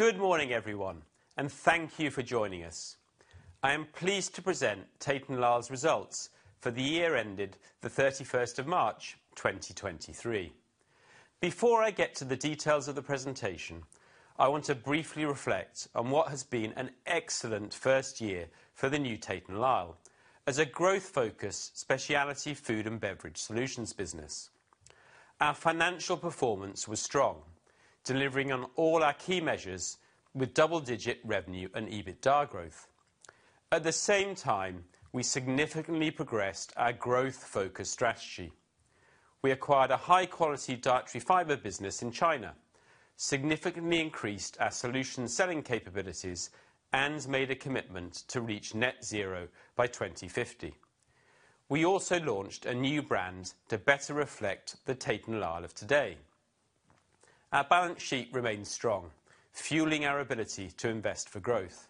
Good morning, everyone, and thank you for joining us. I am pleased to present Tate & Lyle's results for the year ended the 31st of March, 2023. Before I get to the details of the presentation, I want to briefly reflect on what has been an excellent first year for the new Tate & Lyle as a growth-focused specialty food and beverage solutions business. Our financial performance was strong, delivering on all our key measures with double-digit revenue and EBITDA growth. At the same time, we significantly progressed our growth focus strategy. We acquired a high-quality dietary fiber business in China, significantly increased our solution selling capabilities, and made a commitment to reach net zero by 2050. We also launched a new brand to better reflect the Tate & Lyle of today. Our balance sheet remains strong, fueling our ability to invest for growth.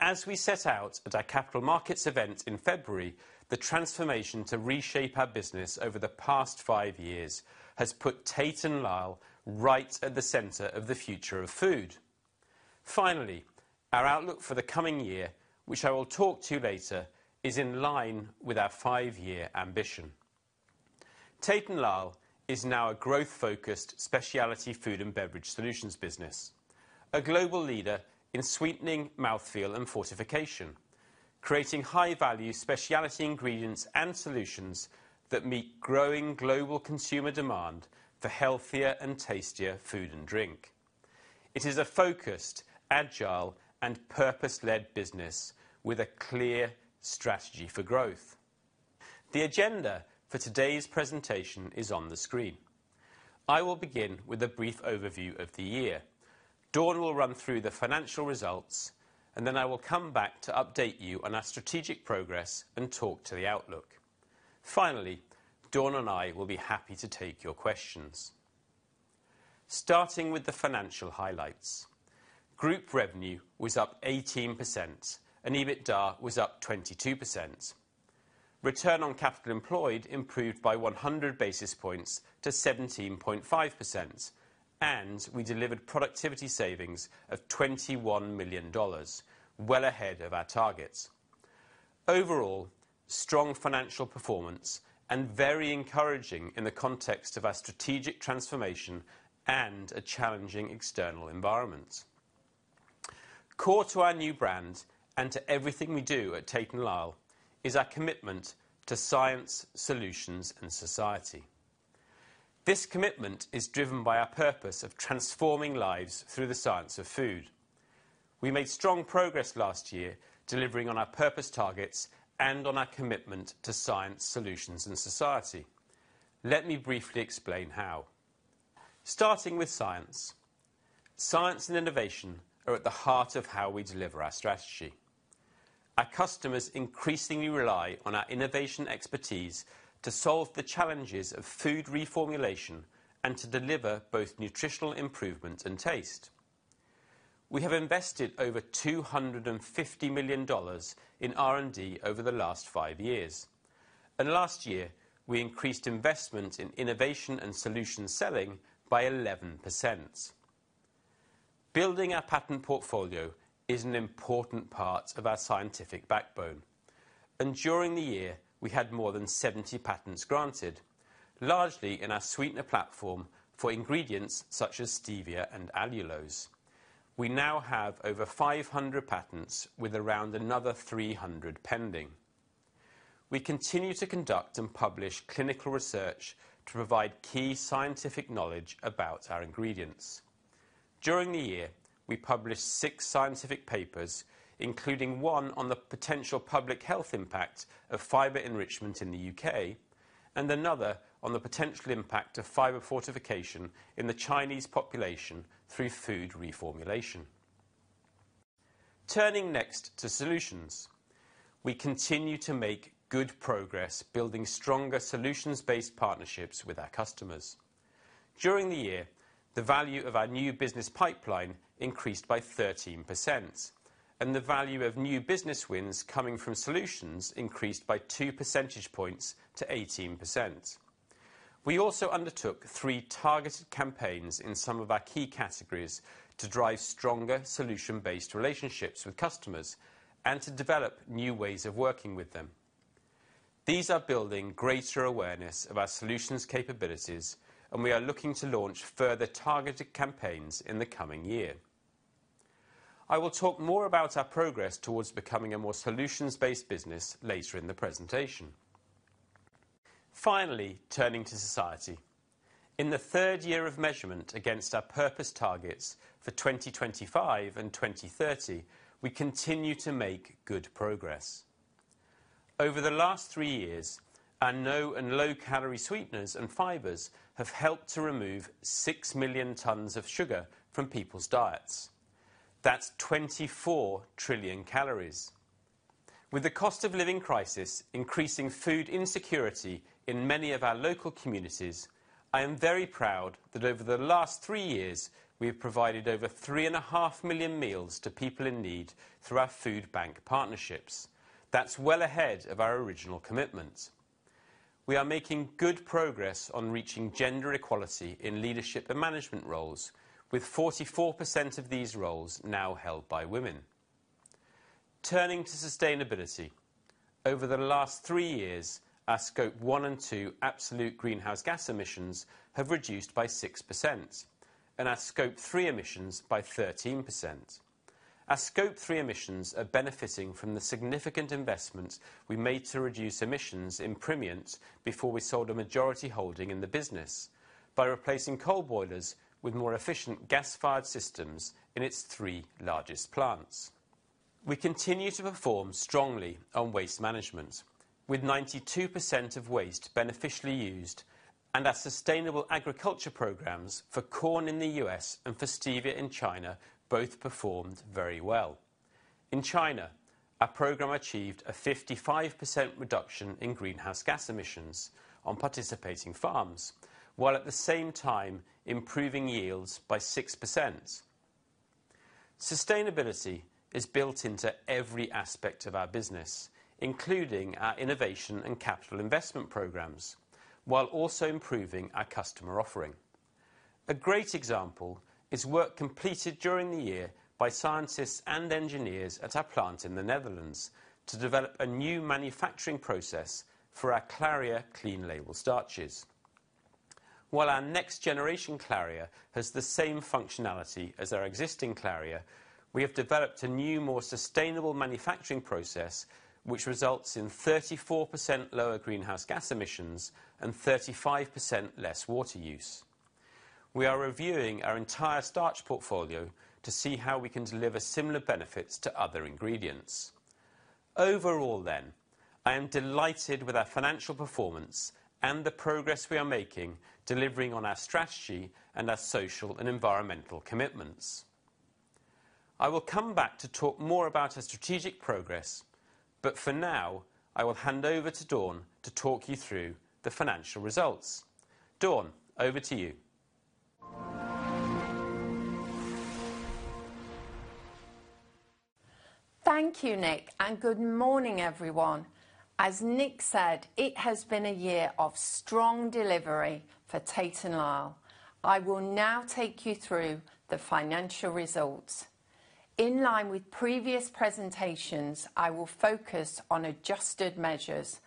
As we set out at our capital markets event in February, the transformation to reshape our business over the past 5 years has put Tate & Lyle right at the center of the future of food. Finally, our outlook for the coming year, which I will talk to you later, is in line with our 5-year ambition. Tate & Lyle is now a growth-focused specialty food and beverage solutions business, a global leader in sweetening, mouthfeel, and fortification, creating high-value specialty ingredients and solutions that meet growing global consumer demand for healthier and tastier food and drink. It is a focused, agile, and purpose-led business with a clear strategy for growth. The agenda for today's presentation is on the screen. I will begin with a brief overview of the year. Dawn will run through the financial results, and then I will come back to update you on our strategic progress and talk to the outlook. Finally, Dawn and I will be happy to take your questions. Starting with the financial highlights. Group revenue was up 18%, and EBITDA was up 22%. Return on capital employed improved by 100 basis points to 17.5%, and we delivered productivity savings of $21 million, well ahead of our targets. Overall, strong financial performance and very encouraging in the context of our strategic transformation and a challenging external environment. Core to our new brand and to everything we do at Tate & Lyle is our commitment to science, solutions, and society. This commitment is driven by our purpose of transforming lives through the science of food. We made strong progress last year, delivering on our purpose targets and on our commitment to science, solutions, and society. Let me briefly explain how. Starting with science. Science and innovation are at the heart of how we deliver our strategy. Our customers increasingly rely on our innovation expertise to solve the challenges of food reformulation and to deliver both nutritional improvement and taste. We have invested over $250 million in R&D over the last five years, and last year, we increased investment in innovation and solution selling by 11%. Building our patent portfolio is an important part of our scientific backbone, and during the year, we had more than 70 patents granted, largely in our sweetener platform for ingredients such as stevia and allulose. We now have over 500 patents, with around another 300 pending. We continue to conduct and publish clinical research to provide key scientific knowledge about our ingredients. During the year, we published six scientific papers, including one on the potential public health impact of fiber enrichment in the U.K. and another on the potential impact of fiber fortification in the Chinese population through food reformulation. Turning next to solutions. We continue to make good progress, building stronger solutions-based partnerships with our customers. During the year, the value of our new business pipeline increased by 13%, and the value of new business wins coming from solutions increased by 2 percentage points to 18%. We also undertook three targeted campaigns in some of our key categories to drive stronger solution-based relationships with customers and to develop new ways of working with them. These are building greater awareness of our solutions capabilities, and we are looking to launch further targeted campaigns in the coming year. I will talk more about our progress towards becoming a more solutions-based business later in the presentation. Finally, turning to society. In the third year of measurement against our purpose targets for 2025 and 2030, we continue to make good progress. Over the last three years, our no and low-calorie sweeteners and fibers have helped to remove 6 million tons of sugar from people's diets. That's 24 trillion calories. With the cost of living crisis, increasing food insecurity in many of our local communities, I am very proud that over the last three years, we have provided over three and a half million meals to people in need through our food bank partnerships. That's well ahead of our original commitment. We are making good progress on reaching gender equality in leadership and management roles, with 44% of these roles now held by women. Turning to sustainability, over the last three years, our Scope 1 and 2 absolute greenhouse gas emissions have reduced by 6%, and our Scope 3 emissions by 13%. Our Scope 3 emissions are benefiting from the significant investments we made to reduce emissions in Primient before we sold a majority holding in the business, by replacing coal boilers with more efficient gas-fired systems in its three largest plants. We continue to perform strongly on waste management, with 92% of waste beneficially used, and our sustainable agriculture programs for corn in the U.S. and for stevia in China both performed very well. In China, our program achieved a 55% reduction in greenhouse gas emissions on participating farms, while at the same time improving yields by 6%. Sustainability is built into every aspect of our business, including our innovation and capital investment programs, while also improving our customer offering. A great example is work completed during the year by scientists and engineers at our plant in the Netherlands to develop a new manufacturing process for our CLARIA clean label starches. While our next generation CLARIA has the same functionality as our existing CLARIA, we have developed a new, more sustainable manufacturing process, which results in 34% lower greenhouse gas emissions and 35% less water use. We are reviewing our entire starch portfolio to see how we can deliver similar benefits to other ingredients. Overall, I am delighted with our financial performance and the progress we are making, delivering on our strategy and our social and environmental commitments. I will come back to talk more about our strategic progress, but for now, I will hand over to Dawn to talk you through the financial results. Dawn, over to you. Thank you, Nick, and good morning, everyone. As Nick said, it has been a year of strong delivery for Tate & Lyle. I will now take you through the financial results. In line with previous presentations, I will focus on adjusted measures.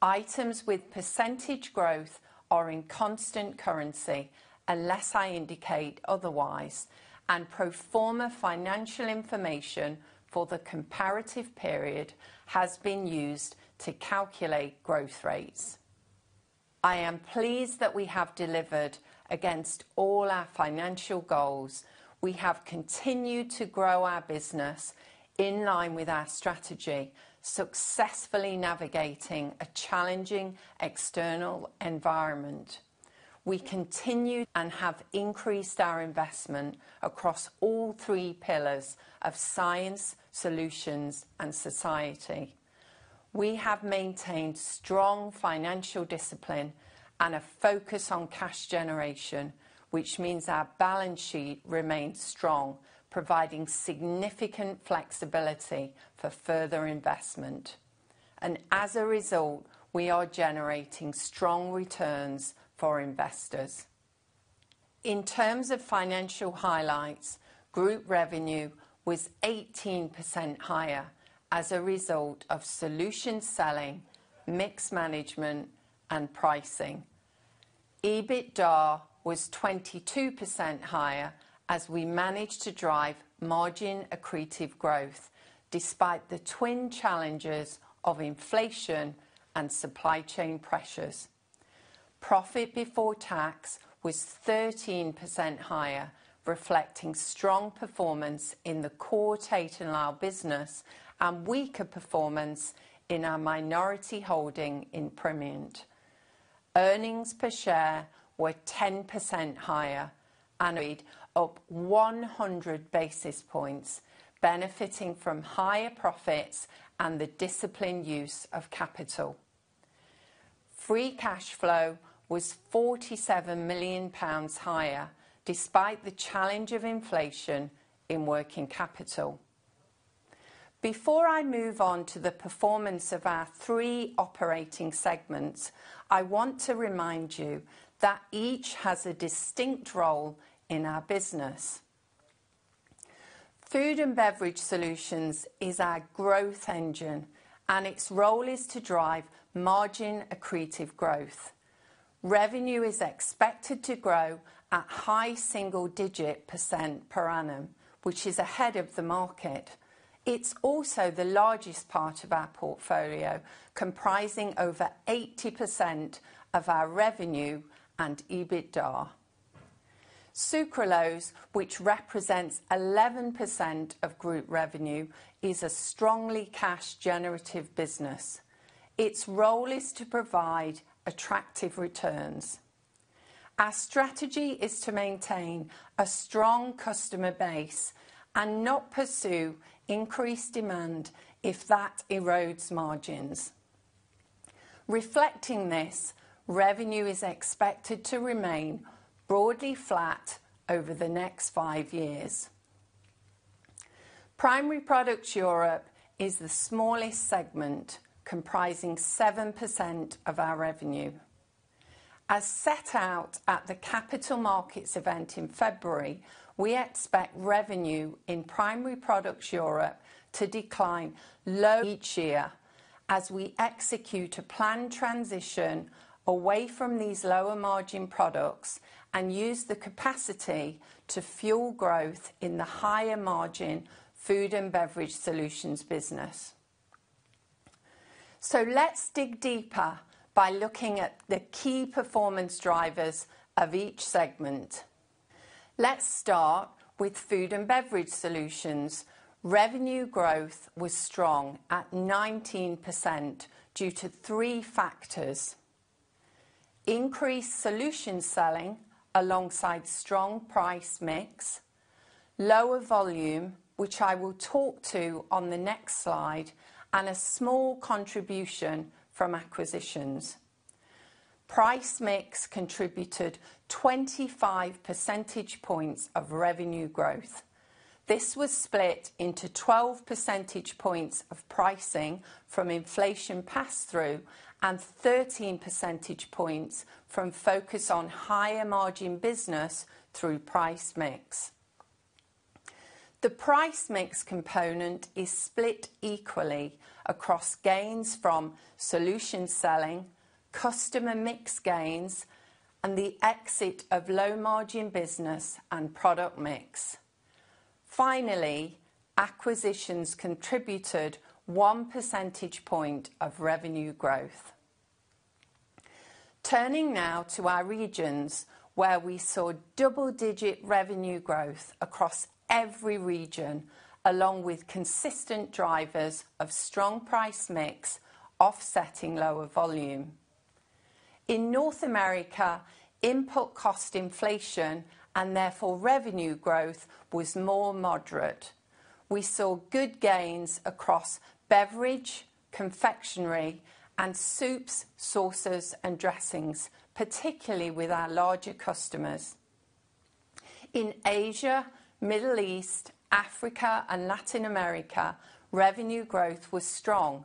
Items with percentage growth are in constant currency, unless I indicate otherwise, and pro forma financial information for the comparative period has been used to calculate growth rates. I am pleased that we have delivered against all our financial goals. We have continued to grow our business in line with our strategy, successfully navigating a challenging external environment. We continue and have increased our investment across all three pillars of science, solutions, and society. We have maintained strong financial discipline and a focus on cash generation, which means our balance sheet remains strong, providing significant flexibility for further investment. As a result, we are generating strong returns for investors. In terms of financial highlights, group revenue was 18% higher as a result of solution selling, mix management, and pricing. EBITDA was 22% higher as we managed to drive margin accretive growth, despite the twin challenges of inflation and supply chain pressures. Profit before tax was 13% higher, reflecting strong performance in the core Tate & Lyle business and weaker performance in our minority holding in Primient. Earnings per share were 10% higher, and 100 basis points, benefiting from higher profits and the disciplined use of capital. Free cash flow was 47 million pounds higher despite the challenge of inflation in working capital. Before I move on to the performance of our three operating segments, I want to remind you that each has a distinct role in our business. Food & Beverage Solutions is our growth engine, and its role is to drive margin accretive growth. Revenue is expected to grow at high single digit % per annum, which is ahead of the market. It's also the largest part of our portfolio, comprising over 80% of our revenue and EBITDA. Sucralose, which represents 11% of group revenue, is a strongly cash generative business. Its role is to provide attractive returns. Our strategy is to maintain a strong customer base and not pursue increased demand if that erodes margins. Reflecting this, revenue is expected to remain broadly flat over the next 5 years. Primary Products Europe is the smallest segment, comprising 7% of our revenue. Set out at the capital markets event in February, we expect revenue in Primary Products Europe to decline low each year as we execute a planned transition away from these lower margin products and use the capacity to fuel growth in the higher margin Food & Beverage Solutions business. Let's dig deeper by looking at the key performance drivers of each segment. Let's start with Food & Beverage Solutions. Revenue growth was strong at 19% due to 3 factors: increased solution selling alongside strong price mix, lower volume, which I will talk to on the next slide, and a small contribution from acquisitions. Price mix contributed 25 percentage points of revenue growth. This was split into 12 percentage points of pricing from inflation pass-through, and 13 percentage points from focus on higher margin business through price mix. The price mix component is split equally across gains from solution selling, customer mix gains, and the exit of low margin business and product mix. Finally, acquisitions contributed 1 percentage point of revenue growth. Turning now to our regions, where we saw double-digit revenue growth across every region, along with consistent drivers of strong price mix, offsetting lower volume. In North America, input cost inflation and therefore revenue growth was more moderate. We saw good gains across beverage, confectionery, and soups, sauces, and dressings, particularly with our larger customers. In Asia, Middle East, Africa, and Latin America, revenue growth was strong.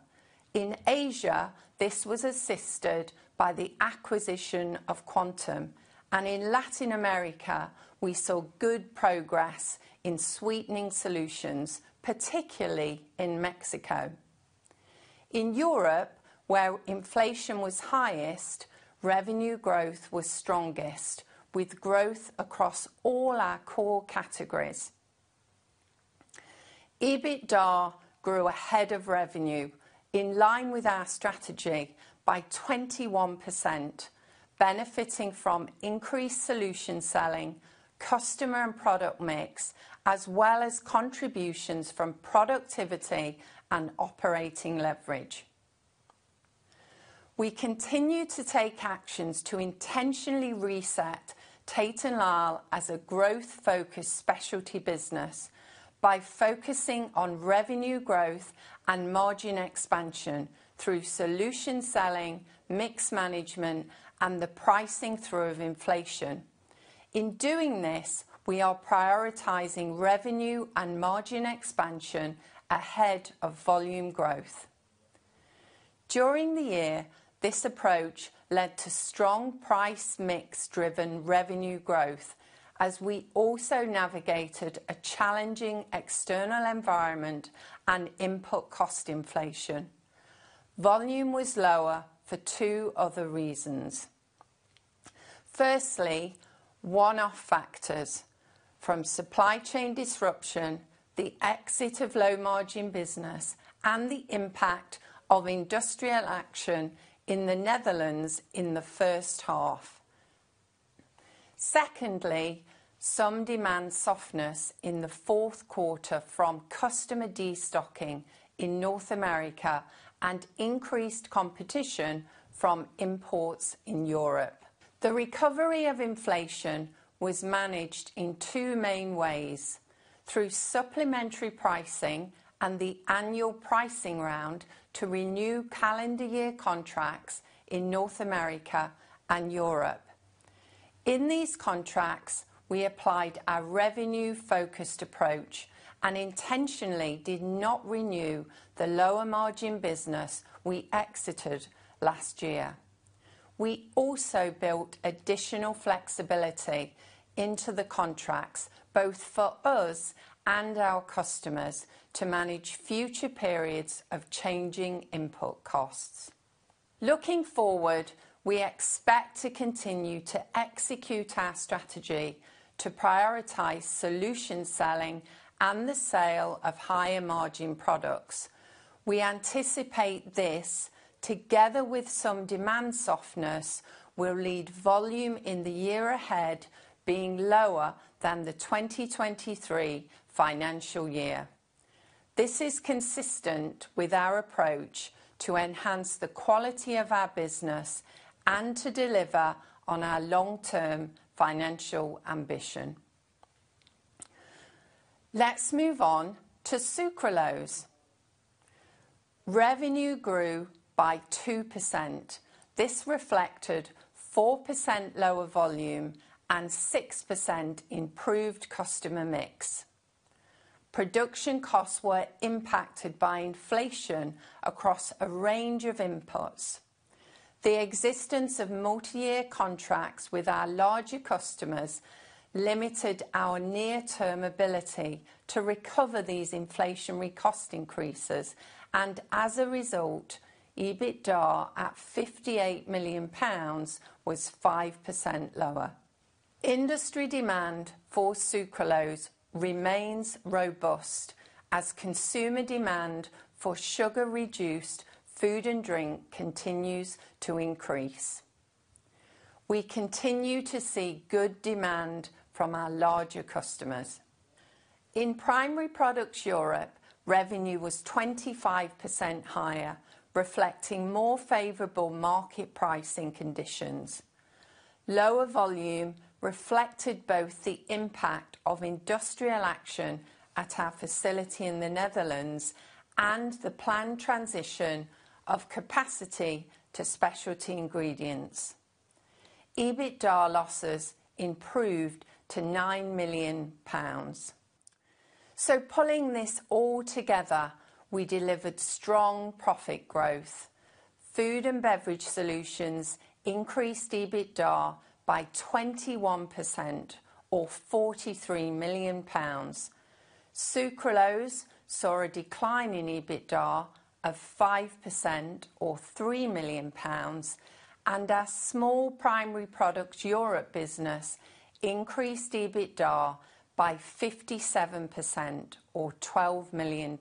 In Asia, this was assisted by the acquisition of Quantum, and in Latin America, we saw good progress in sweetening solutions, particularly in Mexico. In Europe, where inflation was highest, revenue growth was strongest, with growth across all our core categories. EBITDA grew ahead of revenue in line with our strategy by 21%, benefiting from increased solution selling, customer and product mix, as well as contributions from productivity and operating leverage. We continue to take actions to intentionally reset Tate & Lyle as a growth-focused specialty business by focusing on revenue growth and margin expansion through solution selling, mix management, and the pricing through of inflation. In doing this, we are prioritizing revenue and margin expansion ahead of volume growth. During the year, this approach led to strong price mix driven revenue growth, as we also navigated a challenging external environment and input cost inflation. Volume was lower for two other reasons. Firstly, one-off factors from supply chain disruption, the exit of low margin business, and the impact of industrial action in the Netherlands in the first half. Secondly, some demand softness in the fourth quarter from customer destocking in North America and increased competition from imports in Europe. The recovery of inflation was managed in two main ways: through supplementary pricing and the annual pricing round to renew calendar year contracts in North America and Europe. In these contracts, we applied our revenue-focused approach and intentionally did not renew the lower margin business we exited last year. We also built additional flexibility into the contracts, both for us and our customers, to manage future periods of changing input costs. Looking forward, we expect to continue to execute our strategy to prioritize solution selling and the sale of higher margin products. We anticipate this, together with some demand softness, will lead volume in the year ahead, being lower than the 2023 financial year. This is consistent with our approach to enhance the quality of our business and to deliver on our long-term financial ambition. Let's move on to Sucralose. Revenue grew by 2%. This reflected 4% lower volume and 6% improved customer mix. Production costs were impacted by inflation across a range of inputs. The existence of multi-year contracts with our larger customers limited our near-term ability to recover these inflationary cost increases, and as a result, EBITDA, at 58 million pounds, was 5% lower. Industry demand for Sucralose remains robust as consumer demand for sugar-reduced food and drink continues to increase. We continue to see good demand from our larger customers. In Primary Products Europe, revenue was 25% higher, reflecting more favorable market pricing conditions. Lower volume reflected both the impact of industrial action at our facility in the Netherlands and the planned transition of capacity to specialty ingredients. EBITDA losses improved to 9 million pounds. Pulling this all together, we delivered strong profit growth. Food & Beverage Solutions increased EBITDA by 21% or GBP 43 million. Sucralose saw a decline in EBITDA of 5% or 3 million pounds, and our small Primary Products Europe business increased EBITDA by 57% or GBP 12 million.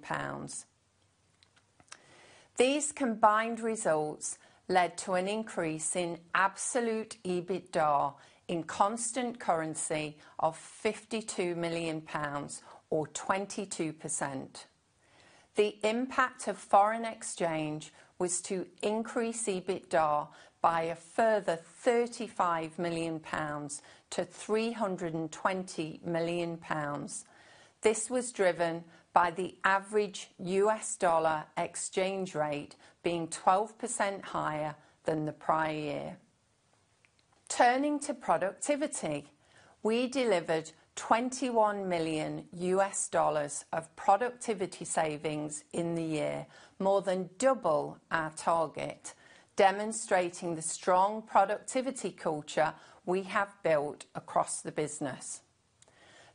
These combined results led to an increase in absolute EBITDA in constant currency of 52 million pounds or 22%. The impact of foreign exchange was to increase EBITDA by a further 35 million pounds to 320 million pounds. This was driven by the average U.S. dollar exchange rate being 12% higher than the prior year. Turning to productivity, we delivered $21 million of productivity savings in the year, more than double our target, demonstrating the strong productivity culture we have built across the business.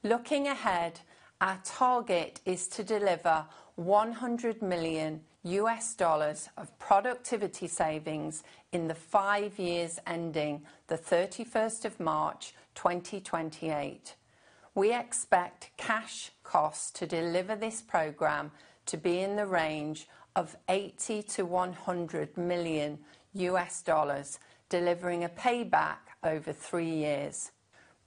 Looking ahead, our target is to deliver $100 million of productivity savings in the five years ending the 31st of March, 2028. We expect cash costs to deliver this program to be in the range of $80 million-$100 million, delivering a payback over three years.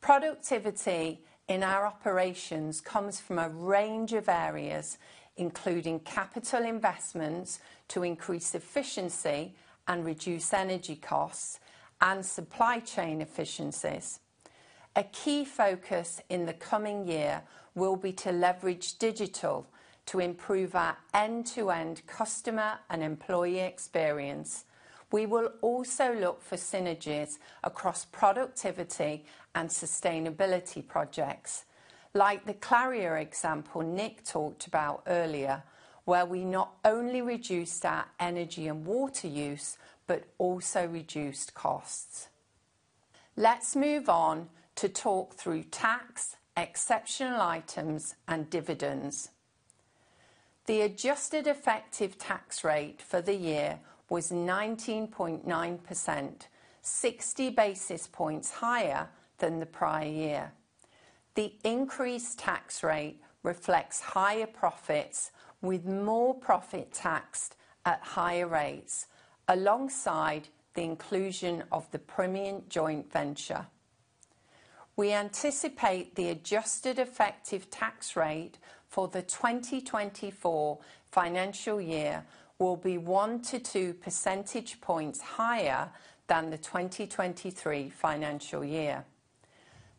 Productivity in our operations comes from a range of areas, including capital investments to increase efficiency and reduce energy costs and supply chain efficiencies. A key focus in the coming year will be to leverage digital to improve our end-to-end customer and employee experience. We will also look for synergies across productivity and sustainability projects, like the CLARIA example Nick talked about earlier, where we not only reduced our energy and water use, but also reduced costs. Let's move on to talk through tax, exceptional items, and dividends. The adjusted effective tax rate for the year was 19.9%, 60 basis points higher than the prior year. The increased tax rate reflects higher profits, with more profit taxed at higher rates, alongside the inclusion of the Primient joint venture. We anticipate the adjusted effective tax rate for the 2024 financial year will be 1-2 percentage points higher than the 2023 financial year.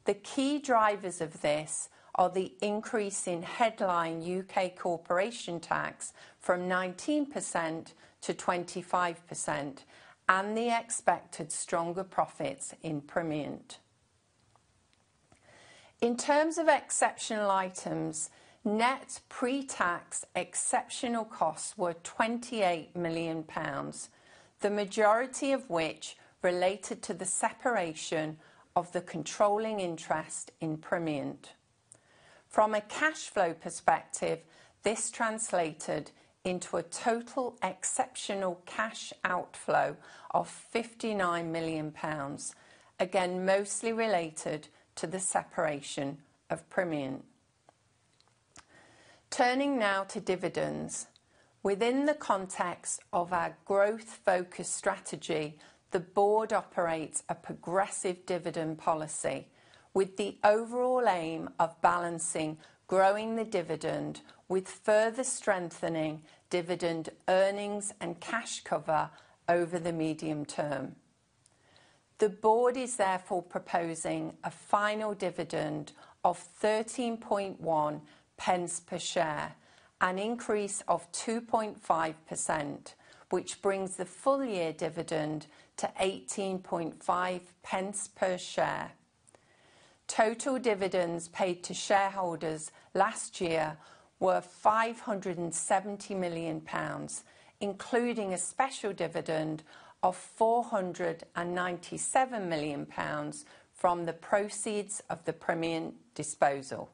The key drivers of this are the increase in headline U.K. corporation tax from 19% to 25% and the expected stronger profits in Primient. In terms of exceptional items, net pre-tax exceptional costs were 28 million pounds, the majority of which related to the separation of the controlling interest in Primient. From a cash flow perspective, this translated into a total exceptional cash outflow of 59 million pounds, again, mostly related to the separation of Primient. Turning now to dividends. Within the context of our growth-focused strategy, the board operates a progressive dividend policy, with the overall aim of balancing growing the dividend with further strengthening dividend earnings and cash cover over the medium term. The board is therefore proposing a final dividend of 13.1 pence per share, an increase of 2.5%, which brings the full year dividend to 18.5 pence per share. Total dividends paid to shareholders last year were 570 million pounds, including a special dividend of 497 million pounds from the proceeds of the Primient disposal.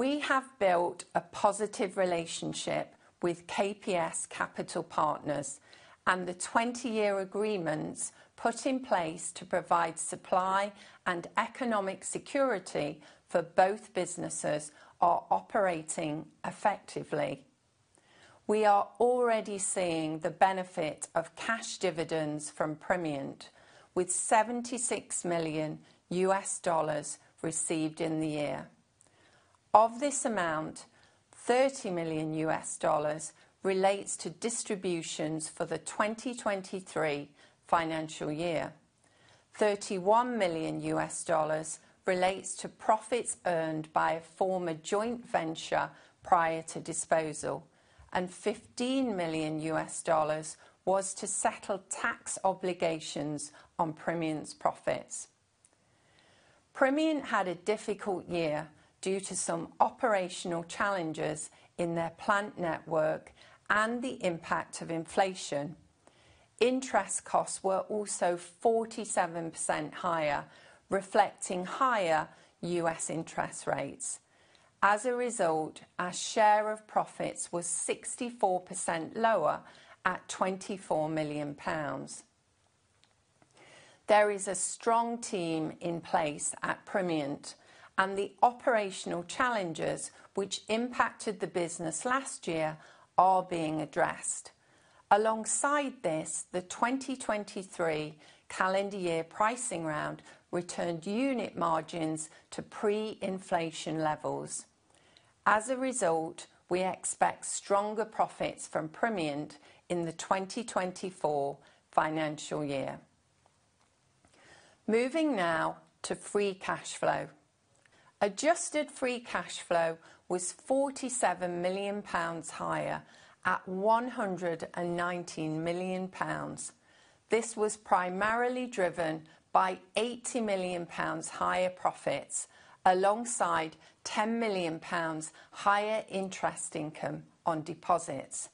We have built a positive relationship with KPS Capital Partners. The 20-year agreements put in place to provide supply and economic security for both businesses are operating effectively. We are already seeing the benefit of cash dividends from Primient, with $76 million US dollars received in the year. Of this amount, $30 million US dollars relates to distributions for the 2023 financial year. $31 million US dollars relates to profits earned by a former joint venture prior to disposal, and $15 million US dollars was to settle tax obligations on Primient's profits. Primient had a difficult year due to some operational challenges in their plant network and the impact of inflation. Interest costs were also 47% higher, reflecting higher U.S. interest rates. As a result, our share of profits was 64% lower at 24 million pounds. There is a strong team in place at Primient, and the operational challenges which impacted the business last year are being addressed. Alongside this, the 2023 calendar year pricing round returned unit margins to pre-inflation levels. As a result, we expect stronger profits from Primient in the 2024 financial year. Moving now to free cash flow. Adjusted free cash flow was 47 million pounds higher at 119 million pounds. This was primarily driven by 80 million pounds higher profits, alongside 10 million pounds higher interest income on deposits.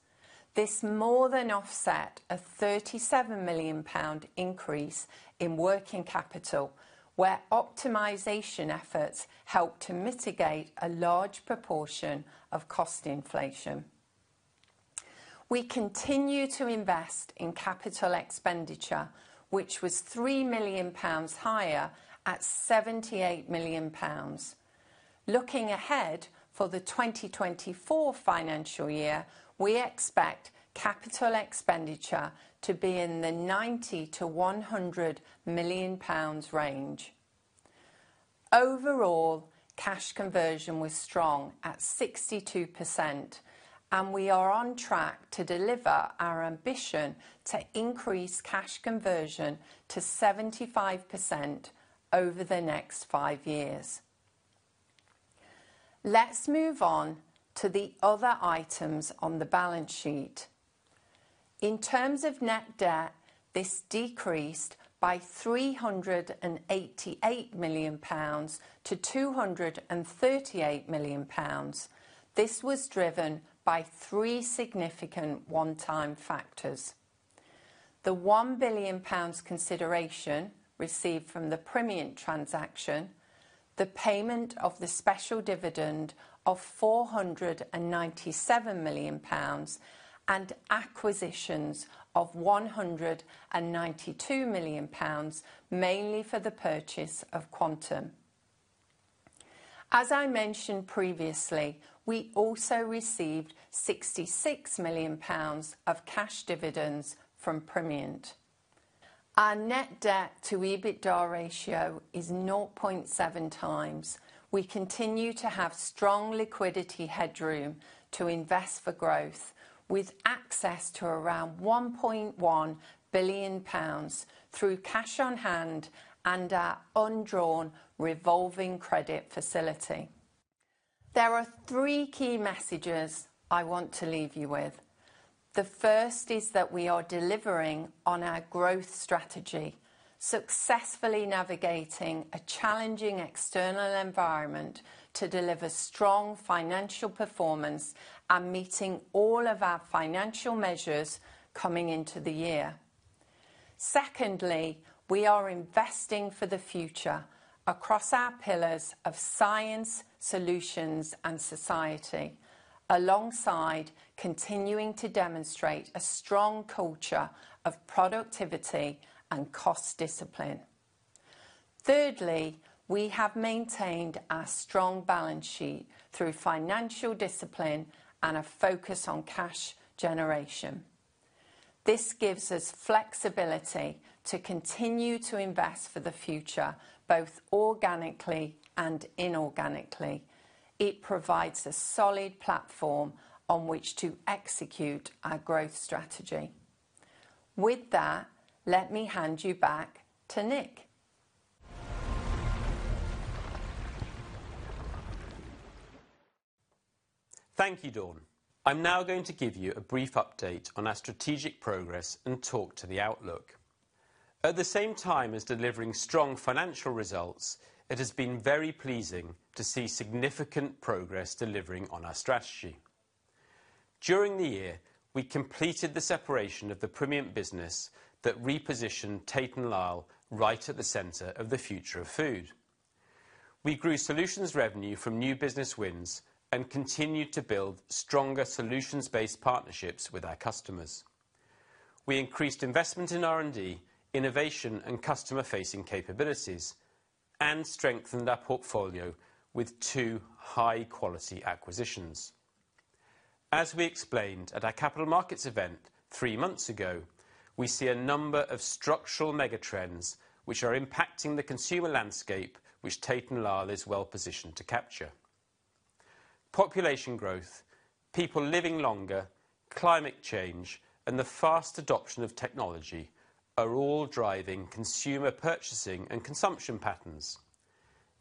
This more than offset a 37 million pound increase in working capital, where optimization efforts helped to mitigate a large proportion of cost inflation. We continue to invest in capital expenditure, which was 3 million pounds higher at 78 million pounds. Looking ahead, for the 2024 financial year, we expect capital expenditure to be in the 90 million-100 million pounds range. Overall, cash conversion was strong at 62%, and we are on track to deliver our ambition to increase cash conversion to 75% over the next five years. Let's move on to the other items on the balance sheet. In terms of net debt, this decreased by 388 million pounds to 238 million pounds. This was driven by three significant one-time factors: the 1 billion pounds consideration received from the Primient transaction, the payment of the special dividend of 497 million pounds, and acquisitions of 192 million pounds, mainly for the purchase of Quantum. As I mentioned previously, we also received 66 million pounds of cash dividends from Primient. Our net debt to EBITDA ratio is 0.7 times. We continue to have strong liquidity headroom to invest for growth, with access to around 1.1 billion pounds through cash on hand and our undrawn revolving credit facility. There are three key messages I want to leave you with. The first is that we are delivering on our growth strategy, successfully navigating a challenging external environment to deliver strong financial performance and meeting all of our financial measures coming into the year. Secondly, we are investing for the future across our pillars of science, solutions, and society, alongside continuing to demonstrate a strong culture of productivity and cost discipline. Thirdly, we have maintained our strong balance sheet through financial discipline and a focus on cash generation. This gives us flexibility to continue to invest for the future, both organically and inorganically. It provides a solid platform on which to execute our growth strategy. With that, let me hand you back to Nick. Thank you, Dawn. I'm now going to give you a brief update on our strategic progress and talk to the outlook. At the same time as delivering strong financial results, it has been very pleasing to see significant progress delivering on our strategy. During the year, we completed the separation of the Primient business that repositioned Tate & Lyle right at the center of the future of food. We grew solutions revenue from new business wins and continued to build stronger solutions-based partnerships with our customers. We increased investment in R&D, innovation, and customer-facing capabilities and strengthened our portfolio with two high-quality acquisitions. As we explained at our capital markets event three months ago, we see a number of structural mega trends which are impacting the consumer landscape, which Tate & Lyle is well positioned to capture. Population growth, people living longer, climate change, and the fast adoption of technology are all driving consumer purchasing and consumption patterns.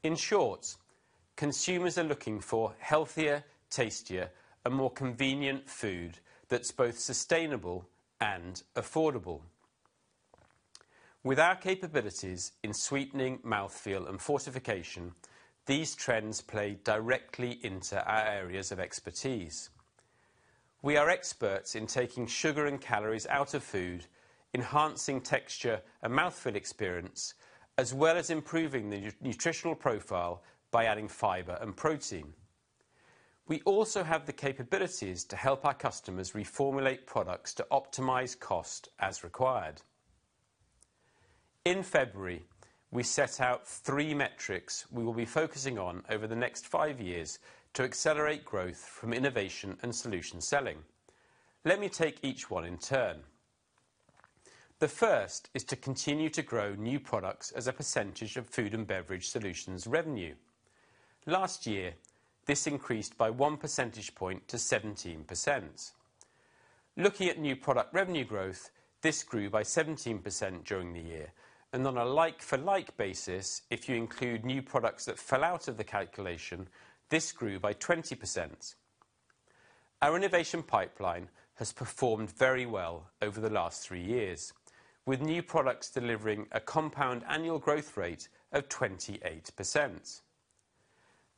In short, consumers are looking for healthier, tastier, and more convenient food that's both sustainable and affordable. With our capabilities in sweetening, mouthfeel, and fortification, these trends play directly into our areas of expertise. We are experts in taking sugar and calories out of food, enhancing texture and mouthfeel experience, as well as improving the nutritional profile by adding fiber and protein. We also have the capabilities to help our customers reformulate products to optimize cost as required. In February, we set out 3 metrics we will be focusing on over the next 5 years to accelerate growth from innovation and solution selling. Let me take each one in turn. The first is to continue to grow new products as a percentage of Food & Beverage Solutions revenue. Last year, this increased by 1 percentage point to 17%. Looking at new product revenue growth, this grew by 17% during the year, on a like for like basis, if you include new products that fell out of the calculation, this grew by 20%. Our innovation pipeline has performed very well over the last 3 years, with new products delivering a compound annual growth rate of 28%.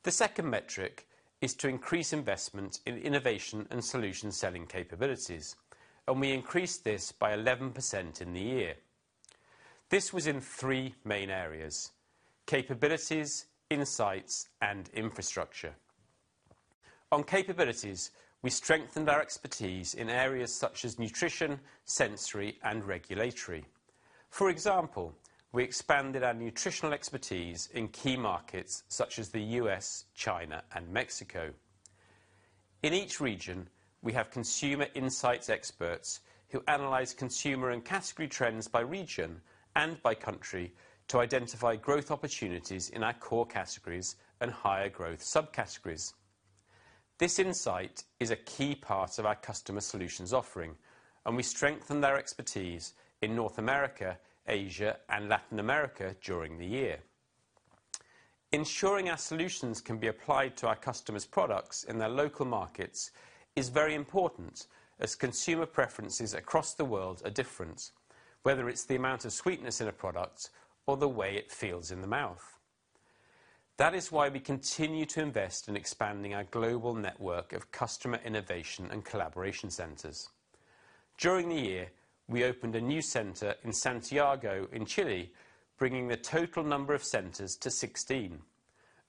The second metric is to increase investment in innovation and solution selling capabilities, we increased this by 11% in the year. This was in 3 main areas: capabilities, insights, and infrastructure. On capabilities, we strengthened our expertise in areas such as nutrition, sensory, and regulatory. For example, we expanded our nutritional expertise in key markets such as the U.S., China, and Mexico. In each region, we have consumer insights experts who analyze consumer and category trends by region and by country to identify growth opportunities in our core categories and higher growth subcategories. This insight is a key part of our customer solutions offering. We strengthened our expertise in North America, Asia, and Latin America during the year. Ensuring our solutions can be applied to our customers' products in their local markets is very important, as consumer preferences across the world are different, whether it's the amount of sweetness in a product or the way it feels in the mouth. That is why we continue to invest in expanding our global network of customer innovation and collaboration centers. During the year, we opened a new center in Santiago, in Chile, bringing the total number of centers to 16,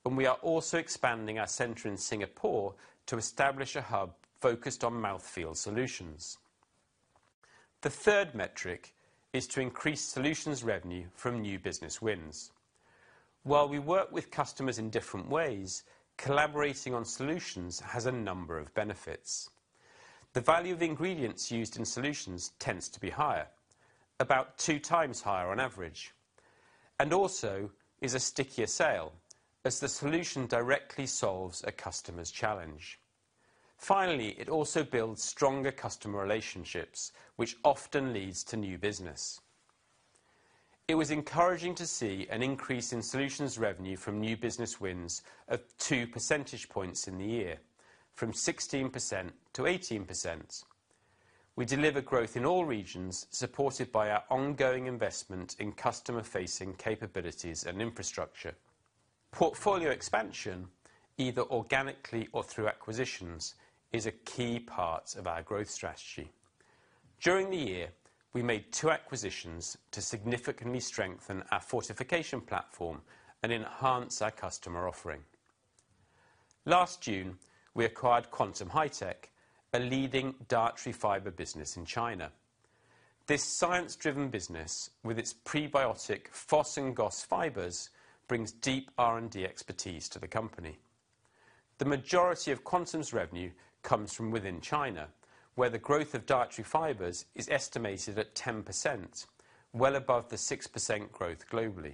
and we are also expanding our center in Singapore to establish a hub focused on mouthfeel solutions. The third metric is to increase solutions revenue from new business wins. While we work with customers in different ways, collaborating on solutions has a number of benefits. The value of the ingredients used in solutions tends to be higher, about two times higher on average, and also is a stickier sale, as the solution directly solves a customer's challenge. Finally, it also builds stronger customer relationships, which often leads to new business. It was encouraging to see an increase in solutions revenue from new business wins of two percentage points in the year, from 16% to 18%. We delivered growth in all regions, supported by our ongoing investment in customer-facing capabilities and infrastructure. Portfolio expansion, either organically or through acquisitions, is a key part of our growth strategy. During the year, we made two acquisitions to significantly strengthen our fortification platform and enhance our customer offering. Last June, we acquired Quantum Hi-Tech, a leading dietary fiber business in China. This science-driven business, with its prebiotic FOS and GOS fibers, brings deep R&D expertise to the company. The majority of Quantum's revenue comes from within China, where the growth of dietary fibers is estimated at 10%, well above the 6% growth globally.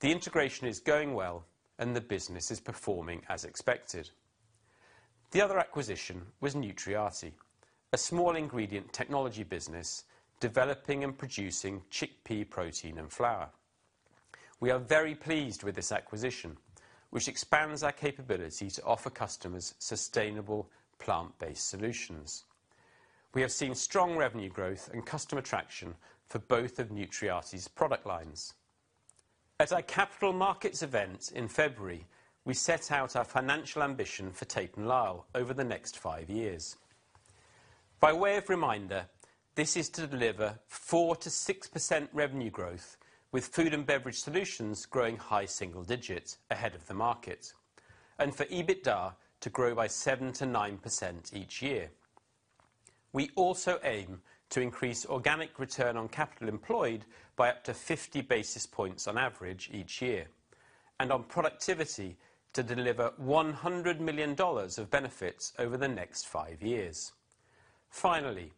The integration is going well, and the business is performing as expected. The other acquisition was Nutriati, a small ingredient technology business developing and producing chickpea protein and flour. We are very pleased with this acquisition, which expands our capability to offer customers sustainable plant-based solutions. We have seen strong revenue growth and customer traction for both of Nutriati's product lines. At our capital markets event in February, we set out our financial ambition for Tate & Lyle over the next 5 years. By way of reminder, this is to deliver 4%-6% revenue growth, with Food & Beverage Solutions growing high single digits ahead of the market, and for EBITDA to grow by 7%-9% each year. We also aim to increase organic return on capital employed by up to 50 basis points on average each year, and on productivity to deliver $100 million of benefits over the next 5 years. Finally,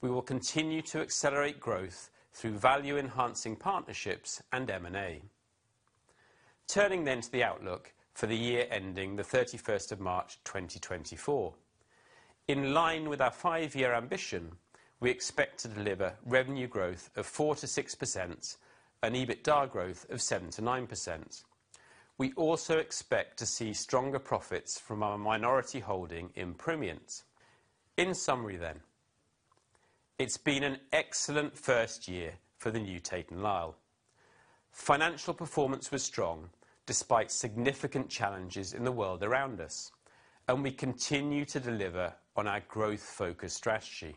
we will continue to accelerate growth through value-enhancing partnerships and M&A. Turning to the outlook for the year ending the 31st of March, 2024. In line with our 5-year ambition, we expect to deliver revenue growth of 4%-6% and EBITDA growth of 7%-9%. We also expect to see stronger profits from our minority holding in Primient. In summary, it's been an excellent first year for the new Tate & Lyle. Financial performance was strong despite significant challenges in the world around us, and we continue to deliver on our growth-focused strategy.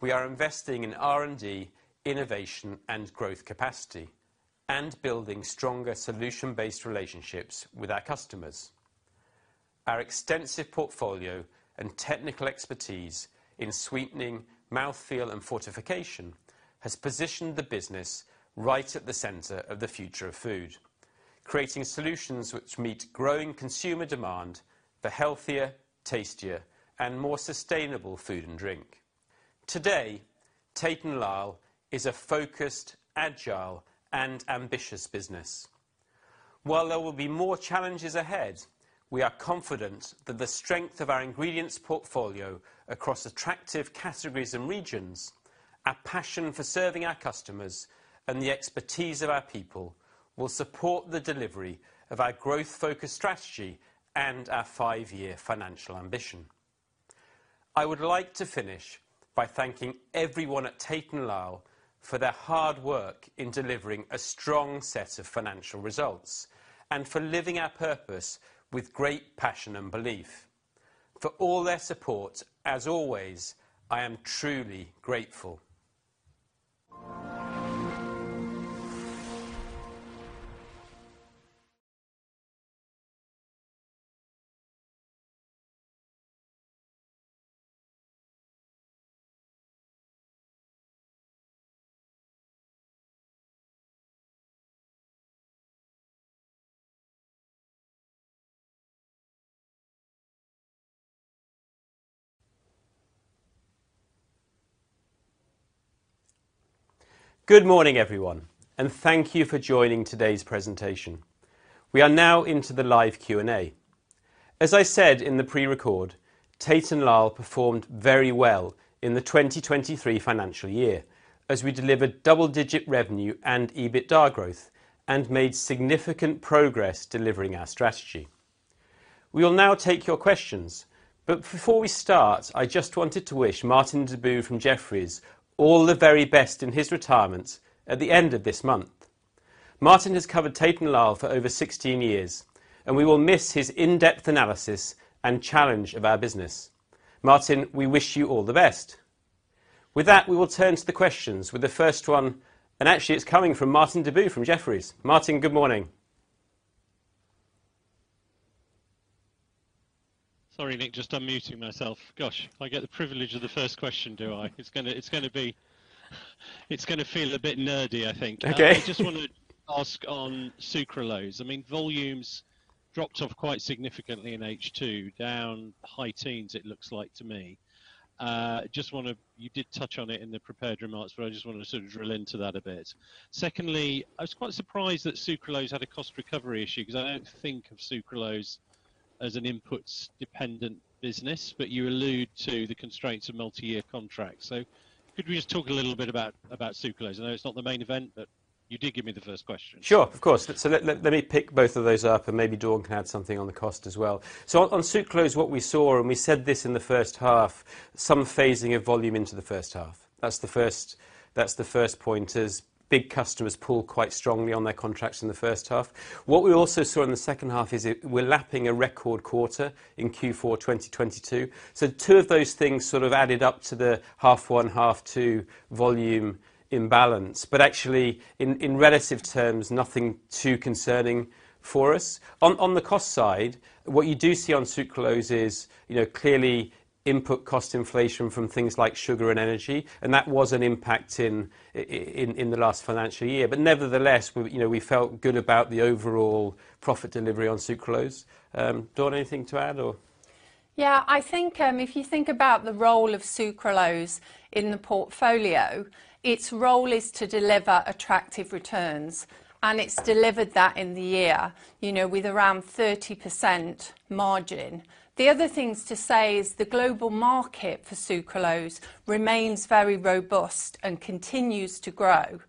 We are investing in R&D, innovation, and growth capacity, and building stronger solution-based relationships with our customers. Our extensive portfolio and technical expertise in sweetening, mouthfeel, and fortification has positioned the business right at the center of the future of food, creating solutions which meet growing consumer demand for healthier, tastier, and more sustainable food and drink. Today, Tate & Lyle is a focused, agile, and ambitious business. While there will be more challenges ahead, we are confident that the strength of our ingredients portfolio across attractive categories and regions, our passion for serving our customers, and the expertise of our people will support the delivery of our growth-focused strategy and our five-year financial ambition. I would like to finish by thanking everyone at Tate & Lyle for their hard work in delivering a strong set of financial results and for living our purpose with great passion and belief. For all their support, as always, I am truly grateful. Good morning, everyone, and thank you for joining today's presentation. We are now into the live Q&A. As I said in the pre-record, Tate & Lyle performed very well in the 2023 financial year, as we delivered double-digit revenue and EBITDA growth and made significant progress delivering our strategy. We will now take your questions. Before we start, I just wanted to wish Martin Deboo from Jefferies all the very best in his retirement at the end of this month. Martin has covered Tate & Lyle for over 16 years, and we will miss his in-depth analysis and challenge of our business. Martin, we wish you all the best. With that, we will turn to the questions with the first one. Actually it's coming from Martin Deboo, from Jefferies. Martin, good morning. Sorry, Nick, just unmuting myself. Gosh, I get the privilege of the first question, do I? It's gonna feel a bit nerdy, I think. Okay. I just want to ask on sucralose. I mean, volumes dropped off quite significantly in H2, down high teens, it looks like to me. You did touch on it in the prepared remarks, but I just wanted to sort of drill into that a bit. Secondly, I was quite surprised that sucralose had a cost recovery issue, because I don't think of sucralose as an input-dependent business, but you allude to the constraints of multi-year contracts. Could we just talk a little bit about sucralose? I know it's not the main event, but you did give me the first question. Sure, of course. Let me pick both of those up, and maybe Dawn can add something on the cost as well. On Sucralose, what we saw, and we said this in the first half, some phasing of volume into the first half. That's the first point is, big customers pull quite strongly on their contracts in the first half. What we also saw in the second half is we're lapping a record quarter in Q4 2022. Two of those things sort of added up to the half one, half two volume imbalance, but actually, in relative terms, nothing too concerning for us. On the cost side, what you do see on Sucralose is, you know, clearly input cost inflation from things like sugar and energy, and that was an impact in the last financial year. Nevertheless, we, you know, we felt good about the overall profit delivery on sucralose. Dawn, anything to add or? Yeah, I think, if you think about the role of Sucralose in the portfolio, its role is to deliver attractive returns, and it's delivered that in the year, you know, with around 30% margin. The other things to say is the global market for Sucralose remains very robust and continues to grow.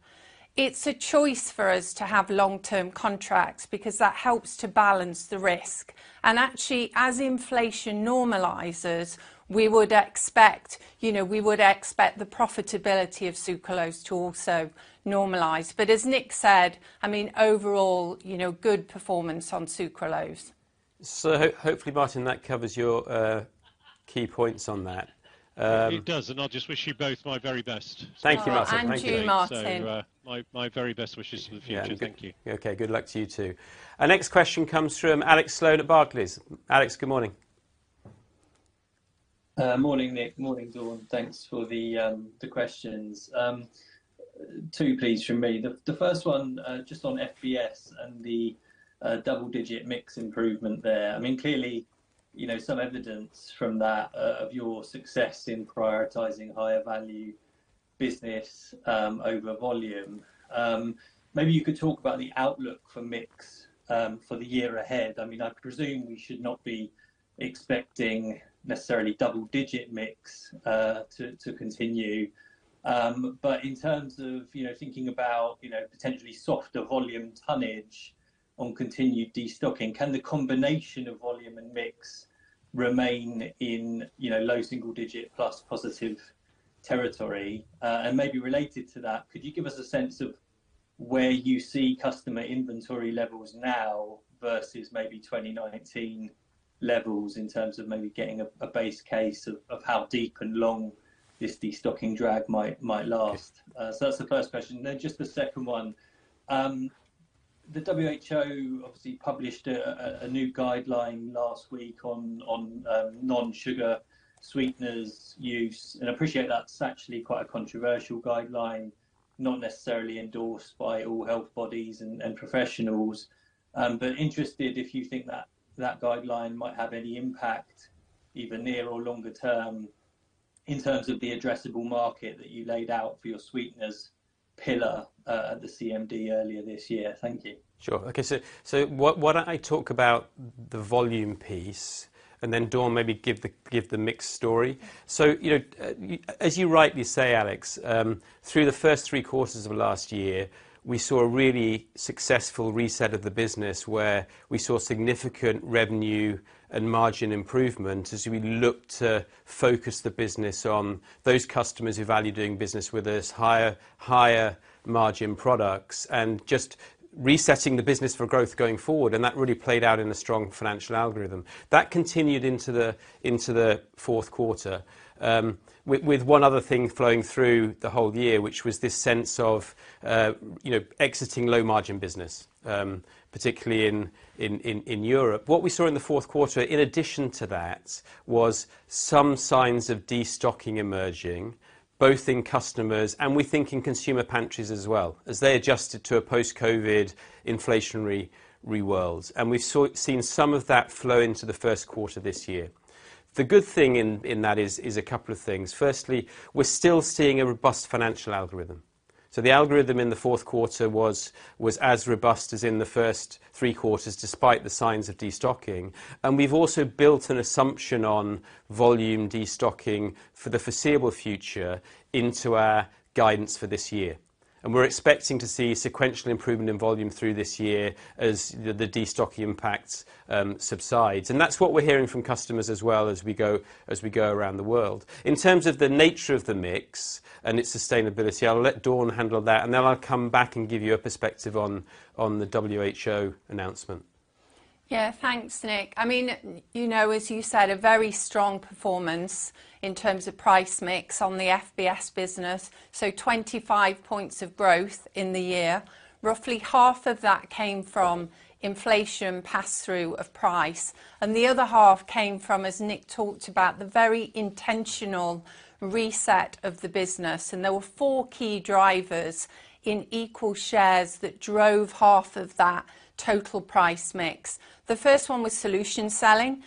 It's a choice for us to have long-term contracts because that helps to balance the risk, and actually, as inflation normalizes, we would expect, you know, we would expect the profitability of Sucralose to also normalize. As Nick said, I mean, overall, you know, good performance on Sucralose. Hopefully, Martin, that covers your key points on that. It does. I'll just wish you both my very best. Thank you, Martin. You, Martin. My very best wishes for the future. Thank you. Okay, good luck to you, too. Our next question comes from Alex Sloane at Barclays. Alex, good morning. Morning, Nick. Morning, Dawn. Thanks for the questions. Two please from me. The first one, just on FBS and the double-digit mix improvement there. I mean, clearly, you know, some evidence from that of your success in prioritizing higher value business over volume. Maybe you could talk about the outlook for mix for the year ahead. I mean, I'd presume we should not be expecting necessarily double digit mix to continue. In terms of, you know, thinking about, you know, potentially softer volume tonnage on continued destocking, can the combination of volume and mix remain in, you know, low single digit plus positive territory? Maybe related to that, could you give us a sense of where you see customer inventory levels now versus maybe 2019 levels in terms of maybe getting a base case of how deep and long this destocking drag might last? That's the first question. Just the second one. The WHO obviously published a new guideline last week on non-sugar sweeteners use, and I appreciate that's actually quite a controversial guideline, not necessarily endorsed by all health bodies and professionals. Interested if you think that that guideline might have any impact, either near or longer term, in terms of the addressable market that you laid out for your sweeteners pillar at the CMD earlier this year. Thank you. Sure. Okay, what, why don't I talk about the volume piece and then, Dawn, maybe give the mix story? You know, as you rightly say, Alex, through the first 3 quarters of last year, we saw a really successful reset of the business, where we saw significant revenue and margin improvement as we looked to focus the business on those customers who value doing business with us, higher margin products and just resetting the business for growth going forward. That really played out in a strong financial algorithm. That continued into the fourth quarter, with one other thing flowing through the whole year, which was this sense of, you know, exiting low margin business, particularly in Europe. What we saw in the fourth quarter, in addition to that, was some signs of destocking emerging, both in customers and we think in consumer pantries as well, as they adjusted to a post-COVID inflationary reworld. We've seen some of that flow into the first quarter this year. The good thing in that is a couple of things. Firstly, we're still seeing a robust financial algorithm. The algorithm in the fourth quarter was as robust as in the first three quarters, despite the signs of destocking, and we've also built an assumption on volume destocking for the foreseeable future into our guidance for this year. We're expecting to see sequential improvement in volume through this year as the destocking impacts subsides. That's what we're hearing from customers as well as we go around the world. In terms of the nature of the mix and its sustainability, I'll let Dawn handle that, and then I'll come back and give you a perspective on the WHO announcement. Thanks, Nick. I mean, you know, as you said, a very strong performance in terms of price mix on the FBS business. 25 points of growth in the year. Roughly half of that came from inflation pass-through of price. The other half came from, as Nick talked about, the very intentional reset of the business. There were four key drivers in equal shares that drove half of that total price mix. The first one was solution selling.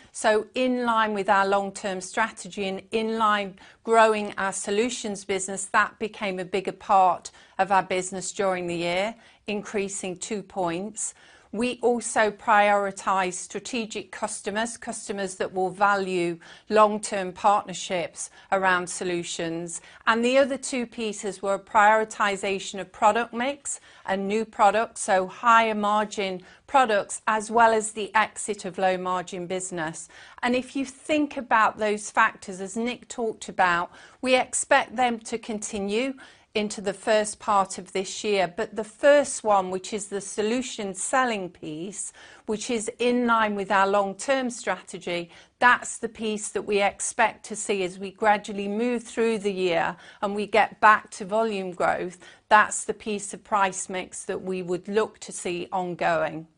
In line with our long-term strategy and in line growing our solutions business, that became a bigger part of our business during the year, increasing 2 points. We also prioritized strategic customers that will value long-term partnerships around solutions. The other two pieces were prioritization of product mix and new products, higher margin products, as well as the exit of low-margin business. If you think about those factors, as Nick talked about, we expect them to continue into the first part of this year. The first one, which is the solution selling piece, which is in line with our long-term strategy, that's the piece that we expect to see as we gradually move through the year and we get back to volume growth. That's the piece of price mix that we would look to see ongoing.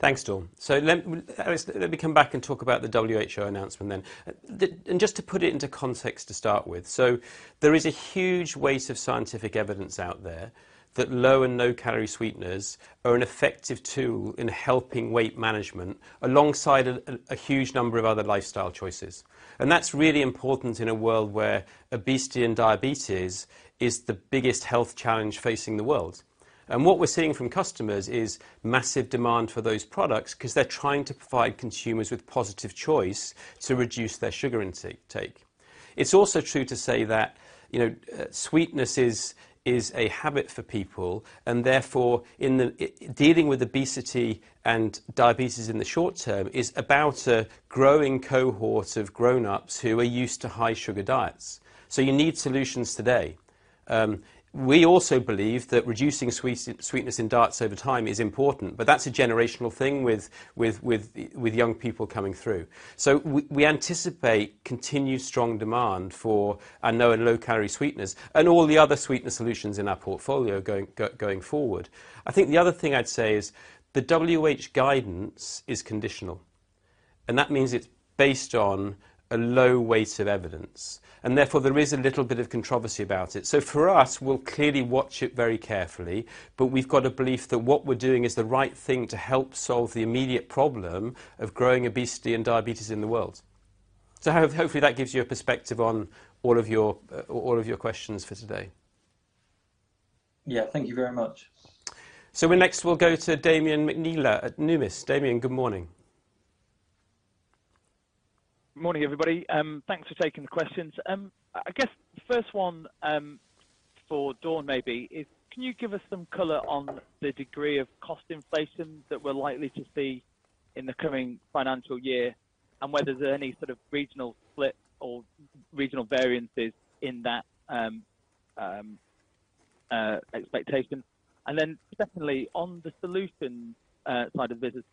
Thanks, Dawn. Let me come back and talk about the WHO announcement then. Just to put it into context to start with. There is a huge weight of scientific evidence out there that low and no-calorie sweeteners are an effective tool in helping weight management, alongside a huge number of other lifestyle choices. That's really important in a world where obesity and diabetes is the biggest health challenge facing the world. What we're seeing from customers is massive demand for those products because they're trying to provide consumers with positive choice to reduce their sugar intake. It's also true to say that, you know, sweetness is a habit for people. Therefore, dealing with obesity and diabetes in the short term is about a growing cohort of grown-ups who are used to high sugar diets. You need solutions today. We also believe that reducing sweetness in diets over time is important, but that's a generational thing with young people coming through. We anticipate continued strong demand for our no and low-calorie sweeteners and all the other sweetener solutions in our portfolio going forward. I think the other thing I'd say is the WHO guidance is conditional, and that means it's based on a low weight of evidence, and therefore, there is a little bit of controversy about it. For us, we'll clearly watch it very carefully, but we've got a belief that what we're doing is the right thing to help solve the immediate problem of growing obesity and diabetes in the world. Hopefully, that gives you a perspective on all of your, all of your questions for today. Yeah. Thank you very much. We're next, we'll go to Damian McNeela at Numis. Damian, good morning. Good morning, everybody. Thanks for taking the questions. I guess the first one for Dawn, maybe, is can you give us some color on the degree of cost inflation that we're likely to see in the coming financial year? Whether there's any sort of regional split or regional variances in that expectation? Then secondly, on the solutions side of business,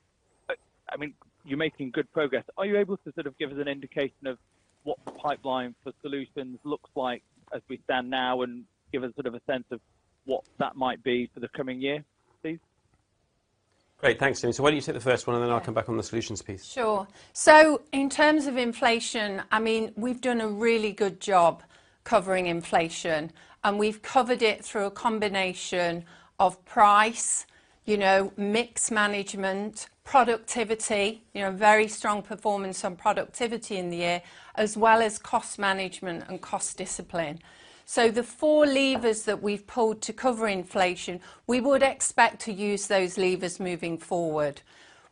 I mean, you're making good progress. Are you able to sort of give us an indication of what the pipeline for solutions looks like as we stand now, and give us sort of a sense of what that might be for the coming year, please? Great. Thanks, Damian. Why don't you take the first one, and then I'll come back on the solutions piece. Sure. In terms of inflation, I mean, we've done a really good job covering inflation, and we've covered it through a combination of price, you know, mix management, productivity, you know, very strong performance on productivity in the year, as well as cost management and cost discipline. The four levers that we've pulled to cover inflation, we would expect to use those levers moving forward.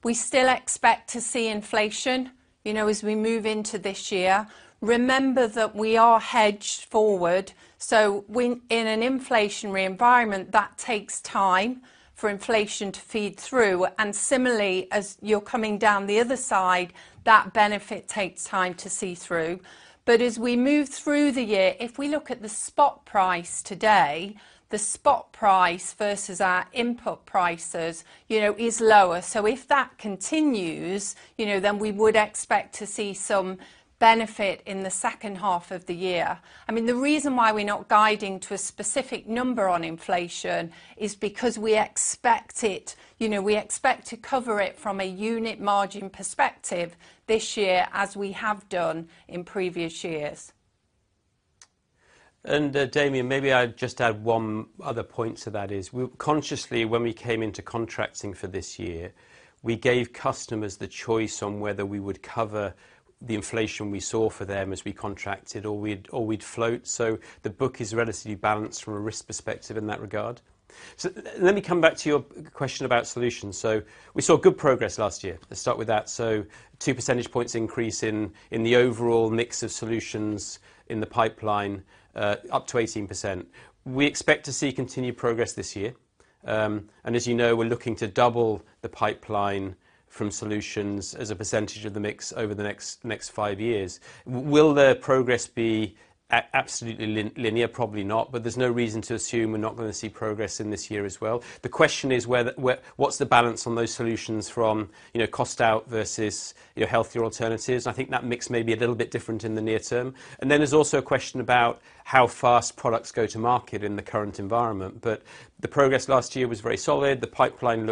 We still expect to see inflation, you know, as we move into this year. Remember that we are hedged forward, so when in an inflationary environment, that takes time for inflation to feed through, and similarly, as you're coming down the other side, that benefit takes time to see through. As we move through the year, if we look at the spot price today, the spot price versus our input prices, you know, is lower. If that continues, you know, then we would expect to see some benefit in the second half of the year. I mean, the reason why we're not guiding to a specific number on inflation is because we expect it. You know, we expect to cover it from a unit margin perspective this year, as we have done in previous years. Damian, maybe I'd just add one other point to that is, we consciously, when we came into contracting for this year, we gave customers the choice on whether we would cover the inflation we saw for them as we contracted or we'd float. The book is relatively balanced from a risk perspective in that regard. Let me come back to your question about solutions. We saw good progress last year. Let's start with that. Two percentage points increase in the overall mix of solutions in the pipeline, up to 18%. We expect to see continued progress this year. As you know, we're looking to double the pipeline from solutions as a percentage of the mix over the next 5 years. Will the progress be absolutely linear? Probably not, but there's no reason to assume we're not gonna see progress in this year as well. The question is whether, what's the balance on those solutions from, you know, cost out versus your healthier alternatives? I think that mix may be a little bit different in the near term. There's also a question about how fast products go to market in the current environment. The progress last year was very solid. The pipeline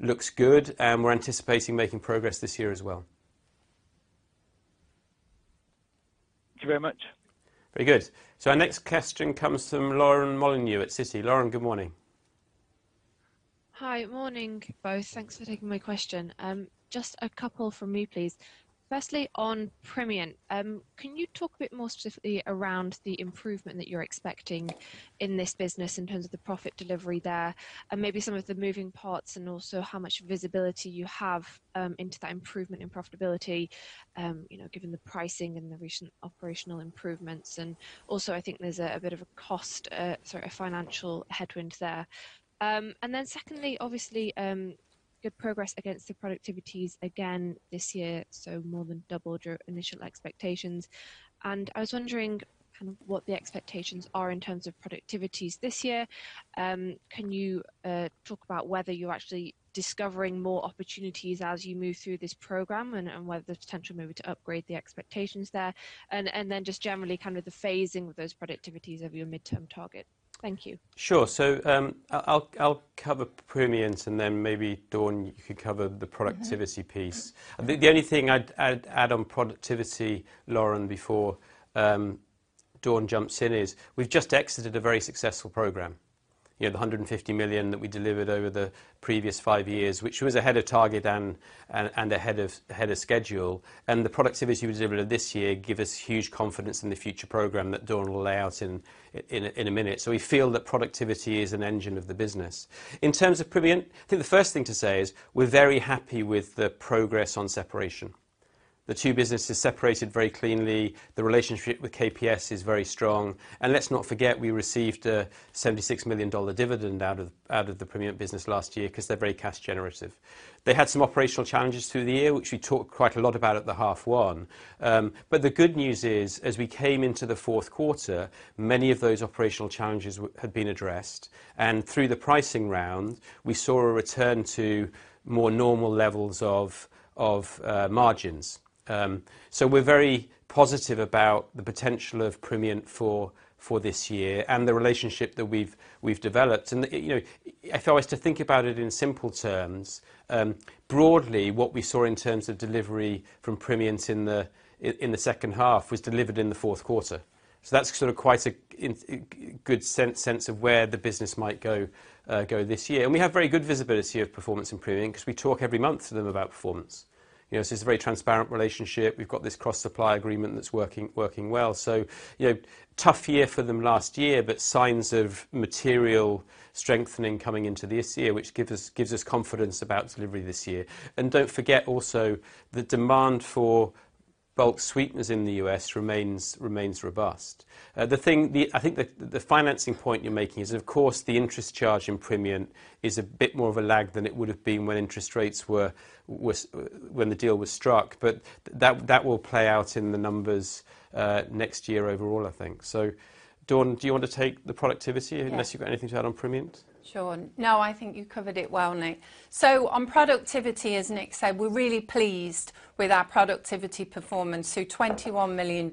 looks good, and we're anticipating making progress this year as well. Thank you very much. Very good. Our next question comes from Lauren Molyneux at Citi. Lauren, good morning. Hi. Morning, both. Thanks for taking my question. Just a couple from me, please. Firstly, on Primient, can you talk a bit more specifically around the improvement that you're expecting in this business in terms of the profit delivery there, and maybe some of the moving parts, and also how much visibility you have into that improvement in profitability, you know, given the pricing and the recent operational improvements? Also, I think there's a sorry, a financial headwind there. Secondly, obviously, good progress against the productivities again this year, so more than doubled your initial expectations. I was wondering kind of what the expectations are in terms of productivities this year. Can you talk about whether you're actually discovering more opportunities as you move through this program, and whether there's potential maybe to upgrade the expectations there? Just generally, kind of the phasing of those productivities over your midterm target. Thank you. Sure. I'll cover Primient, and then maybe Dawn, you could cover the productivity piece. The only thing I'd add on productivity, Lauren, before Dawn jumps in is, we've just exited a very successful program. You know, the $150 million that we delivered over the previous 5 years, which was ahead of target and ahead of schedule, and the productivity we delivered this year give us huge confidence in the future program that Dawn will lay out in a minute. We feel that productivity is an engine of the business. In terms of Primient, I think the first thing to say is we're very happy with the progress on separation. The two businesses separated very cleanly. The relationship with KPS is very strong, and let's not forget, we received a $76 million dividend out of the Primient business last year, 'cause they're very cash generative. They had some operational challenges through the year, which we talked quite a lot about at the half one. The good news is, as we came into the fourth quarter, many of those operational challenges had been addressed, and through the pricing round, we saw a return to more normal levels of margins. We're very positive about the potential of Primient for this year and the relationship that we've developed. You know, if I was to think about it in simple terms, broadly, what we saw in terms of delivery from Primient in the second half was delivered in the fourth quarter. That's sort of quite a good sense of where the business might go this year. We have very good visibility of performance in Primient, 'cause we talk every month to them about performance. You know, it's a very transparent relationship, we've got this cross-supply agreement that's working well. You know, tough year for them last year, but signs of material strengthening coming into this year, which gives us confidence about delivery this year. Don't forget, also, the demand for bulk sweeteners in the US remains robust. The thing, I think the financing point you're making is, of course, the interest charge in Primient is a bit more of a lag than it would've been when interest rates was when the deal was struck, but that will play out in the numbers next year overall, I think. Dawn, do you want to take the productivity? Yeah. Unless you've got anything to add on Primient? Sure. No, I think you covered it well, Nick. On productivity, as Nick said, we're really pleased with our productivity performance, $21 million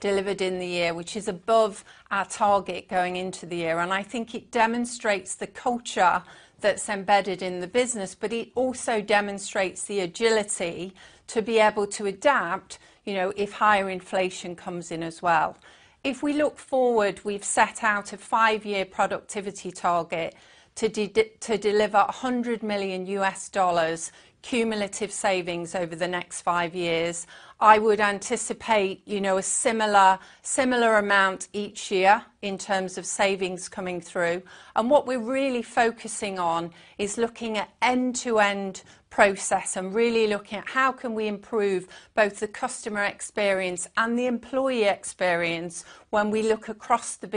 delivered in the year, which is above our target going into the year, and I think it demonstrates the culture that's embedded in the business. It also demonstrates the agility to be able to adapt, you know, if higher inflation comes in as well. If we look forward, we've set out a 5-year productivity target to deliver $100 million cumulative savings over the next 5 years. I would anticipate, you know, a similar amount each year in terms of savings coming through. What we're really focusing on is looking at end-to-end process and really looking at how can we improve both the customer experience and the employee experience when we look across the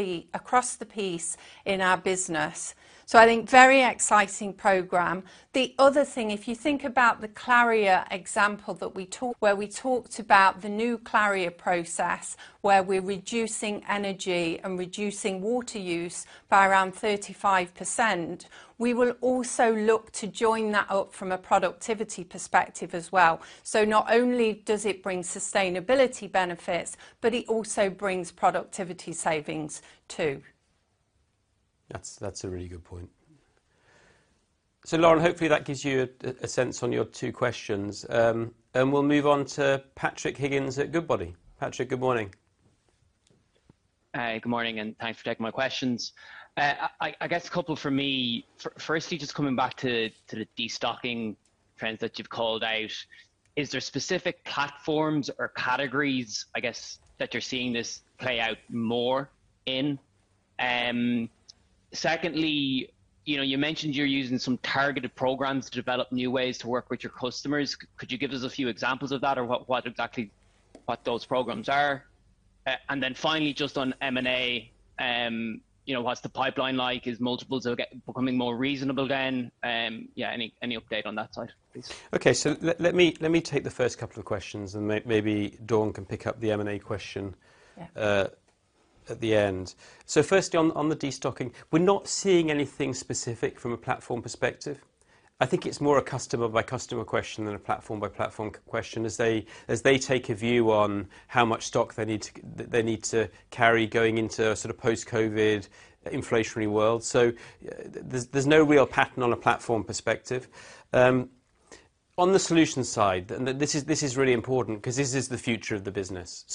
piece in our business. I think very exciting program. The other thing, if you think about the CLARIA example that we talked, where we talked about the new CLARIA process, where we're reducing energy and reducing water use by around 35%, we will also look to join that up from a productivity perspective as well. Not only does it bring sustainability benefits, but it also brings productivity savings, too. That's a really good point. Lauren, hopefully that gives you a sense on your two questions. We'll move on to Patrick Higgins at Goodbody. Patrick, good morning. Good morning, and thanks for taking my questions. I guess a couple from me. Firstly, just coming back to the destocking trends that you've called out, is there specific platforms or categories, I guess, that you're seeing this play out more in? Secondly, you know, you mentioned you're using some targeted programs to develop new ways to work with your customers. Could you give us a few examples of that, or what exactly, what those programs are? Then finally, just on M&A, you know, what's the pipeline like? Is multiples are becoming more reasonable then? Yeah, any update on that side, please? Okay, let me take the first couple of questions, maybe Dawn can pick up the M&A question at the end. Firstly, on the destocking, we're not seeing anything specific from a platform perspective. I think it's more a customer-by-customer question than a platform-by-platform question as they take a view on how much stock they need to carry going into a sort of post-COVID inflationary world. There's no real pattern on a platform perspective. On the solutions side, this is really important, 'cause this is the future of the business.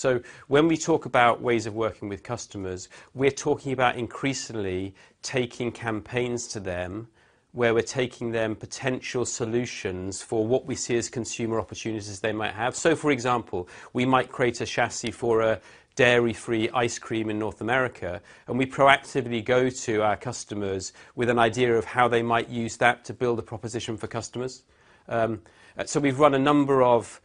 When we talk about ways of working with customers, we're talking about increasingly taking campaigns to them, where we're taking them potential solutions for what we see as consumer opportunities they might have. For example, we might create a chassis for a dairy-free ice cream in North America, and we proactively go to our customers with an idea of how they might use that to build a proposition for customers. We've run a number of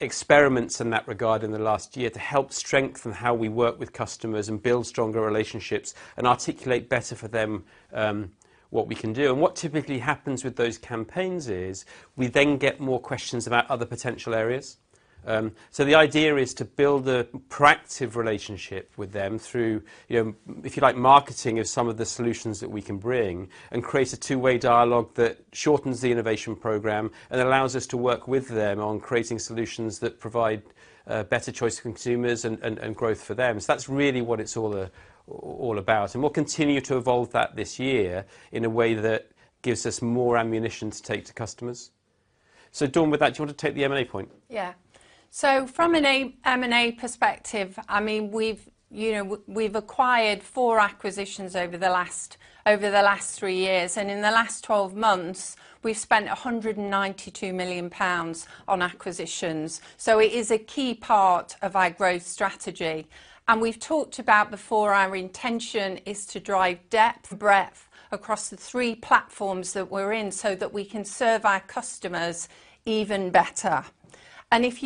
experiments in that regard in the last year to help strengthen how we work with customers and build stronger relationships and articulate better for them what we can do. What typically happens with those campaigns is, we then get more questions about other potential areas. The idea is to build a proactive relationship with them through, you know, if you like, marketing of some of the solutions that we can bring, and create a two-way dialogue that shortens the innovation program and allows us to work with them on creating solutions that provide better choice to consumers and growth for them. That's really what it's all all about, and we'll continue to evolve that this year in a way that gives us more ammunition to take to customers. Dawn, with that, do you want to take the M&A point? Yeah. From an M&A perspective, I mean, we've, you know, we've acquired four acquisitions over the last, over the last three years, and in the last 12 months, we've spent 192 million pounds on acquisitions, so it is a key part of our growth strategy. We've talked about before, our intention is to drive depth, breadth across the three platforms that we're in, so that we can serve our customers even better. If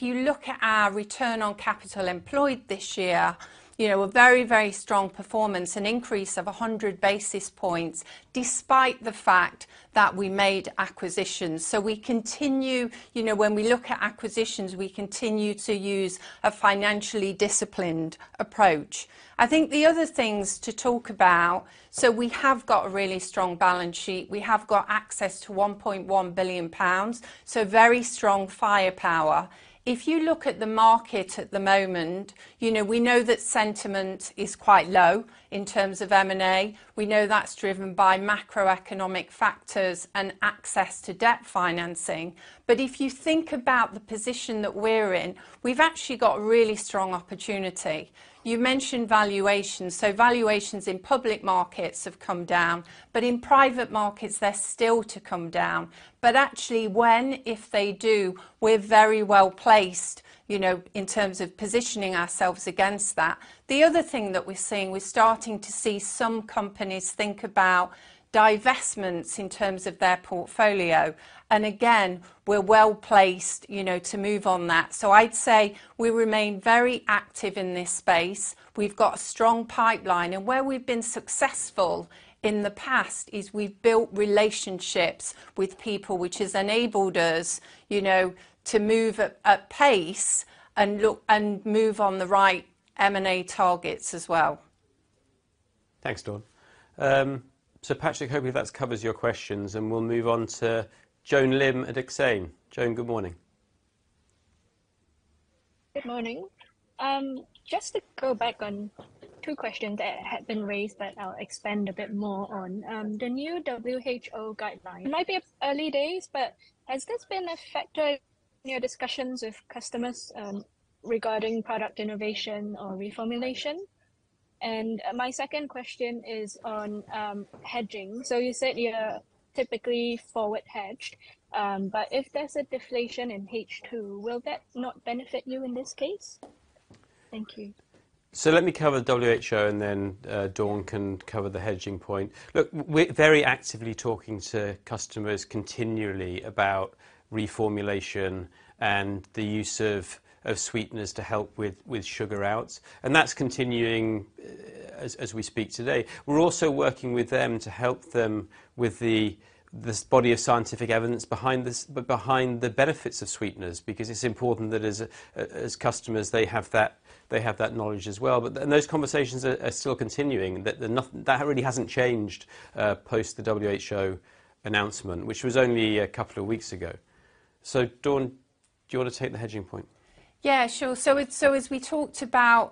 you look at our return on capital employed this year, you know, a very, very strong performance, an increase of 100 basis points, despite the fact that we made acquisitions. We continue. You know, when we look at acquisitions, we continue to use a financially disciplined approach. I think the other things to talk about, we have got a really strong balance sheet. We have got access to 1.1 billion pounds, very strong firepower. If you look at the market at the moment, you know, we know that sentiment is quite low in terms of M&A. We know that's driven by macroeconomic factors and access to debt financing. If you think about the position that we're in, we've actually got really strong opportunity. You mentioned valuations in public markets have come down, but in private markets, they're still to come down. Actually when, if they do, we're very well-placed, you know, in terms of positioning ourselves against that. The other thing that we're seeing, we're starting to see some companies think about divestments in terms of their portfolio. Again, we're well-placed, you know, to move on that. I'd say we remain very active in this space. We've got a strong pipeline, and where we've been successful in the past is we've built relationships with people, which has enabled us, you know, to move at pace and move on the right M&A targets as well. Thanks, Dawn. Patrick, hoping that covers your questions, and we'll move on to Joan Lim at Exane. Joan, good morning. Good morning. Just to go back on two questions that had been raised, but I'll expand a bit more on. The new WHO guideline. It might be up early days, but has this been a factor in your discussions with customers, regarding product innovation or reformulation? My second question is on hedging. You said you're typically forward hedged. If there's a deflation in H2, will that not benefit you in this case? Thank you. Let me cover WHO, and then Dawn can cover the hedging point. Look, we're very actively talking to customers continually about reformulation and the use of sweeteners to help with sugar outs, and that's continuing as we speak today. We're also working with them to help them with this body of scientific evidence behind this, behind the benefits of sweeteners, because it's important that as customers, they have that knowledge as well. And those conversations are still continuing. That really hasn't changed post the WHO announcement, which was only a couple of weeks ago. Dawn, do you want to take the hedging point? Yeah, sure. As we talked about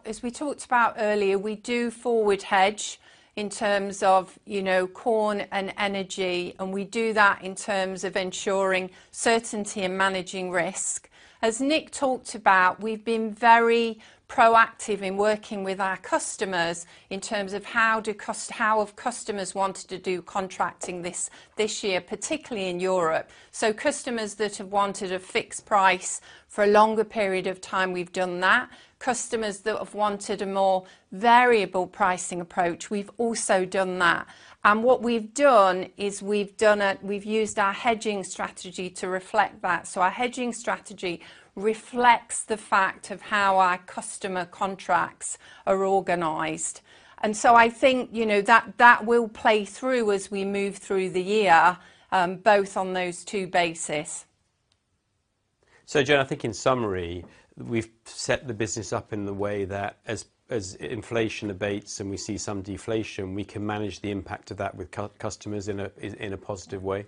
earlier, we do forward hedge in terms of, you know, corn and energy, and we do that in terms of ensuring certainty and managing risk. As Nick talked about, we've been very proactive in working with our customers in terms of how have customers wanted to do contracting this year, particularly in Europe. Customers that have wanted a fixed price for a longer period of time, we've done that. Customers that have wanted a more variable pricing approach, we've also done that. What we've done is we've used our hedging strategy to reflect that. Our hedging strategy reflects the fact of how our customer contracts are organized. I think, you know, that will play through as we move through the year, both on those two bases. Joan, I think in summary, we've set the business up in the way that as inflation abates and we see some deflation, we can manage the impact of that with customers in a positive way.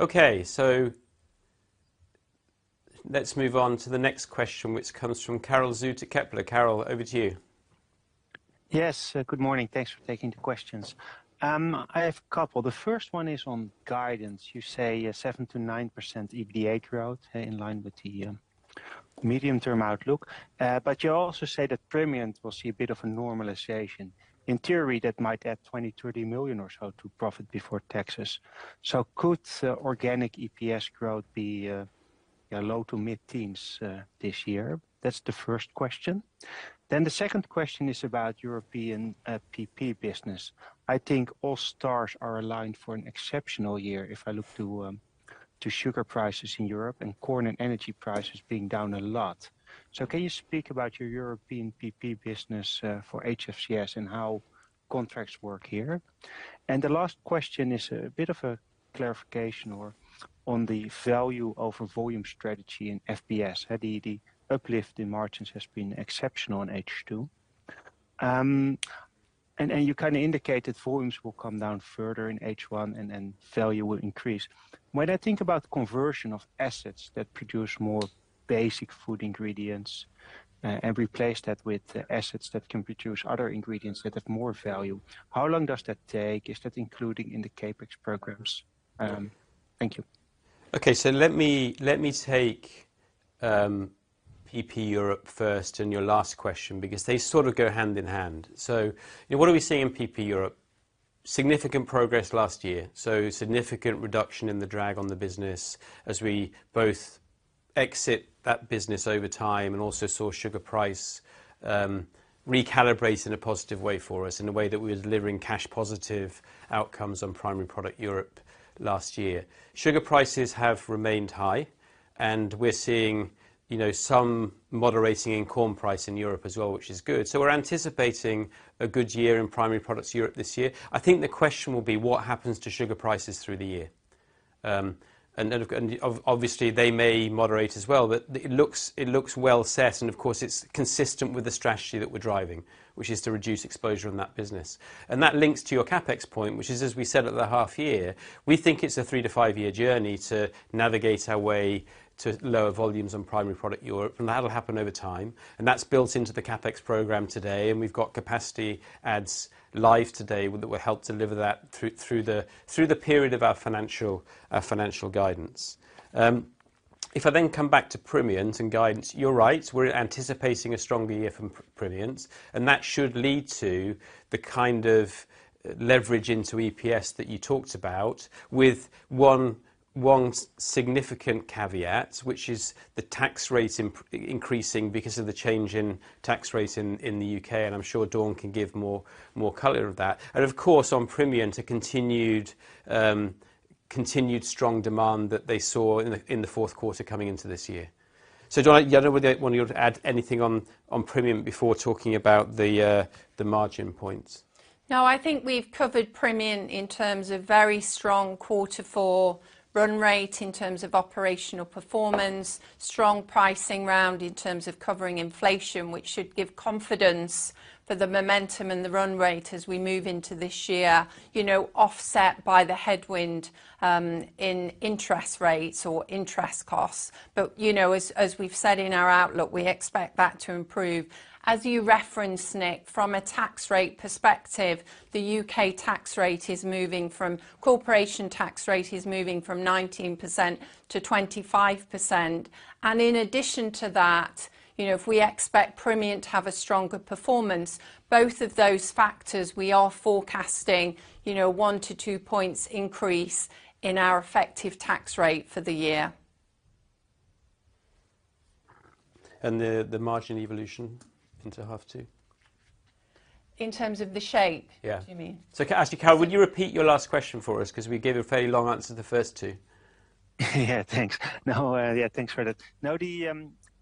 Okay, let's move on to the next question, which comes from Karel Zoete from Kepler. Karel, over to you. Yes, good morning. Thanks for taking the questions. I have a couple. The first one is on guidance. You say a 7%-9% EBITDA growth in line with the medium-term outlook. You also say that Primient will see a bit of a normalization. In theory, that might add 20 million-30 million or so to profit before taxes. Could organic EPS growth be low to mid-teens% this year? That's the first question. The second question is about European PP business. I think all stars are aligned for an exceptional year if I look to sugar prices in Europe and corn and energy prices being down a lot. Can you speak about your European PP business for HFCS and how contracts work here? The last question is a bit of a clarification or on the value over volume strategy in FBS. The, the uplift in margins has been exceptional in H2. You kind of indicated volumes will come down further in H1 and value will increase. When I think about conversion of assets that produce more basic food ingredients, and replace that with the assets that can produce other ingredients that have more value, how long does that take? Is that including in the CapEx programs? Thank you. Okay. Let me take PP Europe first and your last question, because they sort of go hand in hand. What are we seeing in PP Europe? Significant progress last year, significant reduction in the drag on the business as we both exit that business over time and also saw sugar price recalibrate in a positive way for us, in a way that we're delivering cash positive outcomes on Primary Products Europe last year. Sugar prices have remained high, we're seeing, you know, some moderating in corn price in Europe as well, which is good. We're anticipating a good year in Primary Products Europe this year. I think the question will be: What happens to sugar prices through the year? And obviously, they may moderate as well, but it looks well set, and of course, it's consistent with the strategy that we're driving, which is to reduce exposure in that business. That links to your CapEx point, which is, as we said at the half year, we think it's a 3 to 5-year journey to navigate our way to lower volumes on Primary Products Europe, and that'll happen over time, and that's built into the CapEx program today, and we've got capacity ads live today that will help deliver that through the period of our financial guidance. If I then come back to Primient and guidance, you're right, we're anticipating a stronger year from Primient, and that should lead to the kind of leverage into EPS that you talked about, with one significant caveat, which is the tax rate increasing because of the change in tax rate in the U.K., and I'm sure Dawn can give more color of that. Of course, on Primient, a continued strong demand that they saw in the fourth quarter coming into this year. Dawn, do you want to add anything on Primient before talking about the margin points? I think we've covered Primient in terms of very strong quarter four run rate, in terms of operational performance, strong pricing round in terms of covering inflation, which should give confidence for the momentum and the run rate as we move into this year, you know, offset by the headwind in interest rates or interest costs. You know, as we've said in our outlook, we expect that to improve. As you referenced, Nick, from a tax rate perspective, Corporation tax rate is moving from 19% to 25%. In addition to that, you know, if we expect Primient to have a stronger performance, both of those factors, we are forecasting, you know, 1-2 points increase in our effective tax rate for the year. The margin evolution into half two? In terms of the shape- Yeah. you mean? Actually, Cal, would you repeat your last question for us? We gave a fairly long answer to the first two. Yeah, thanks. No, yeah, thanks for that.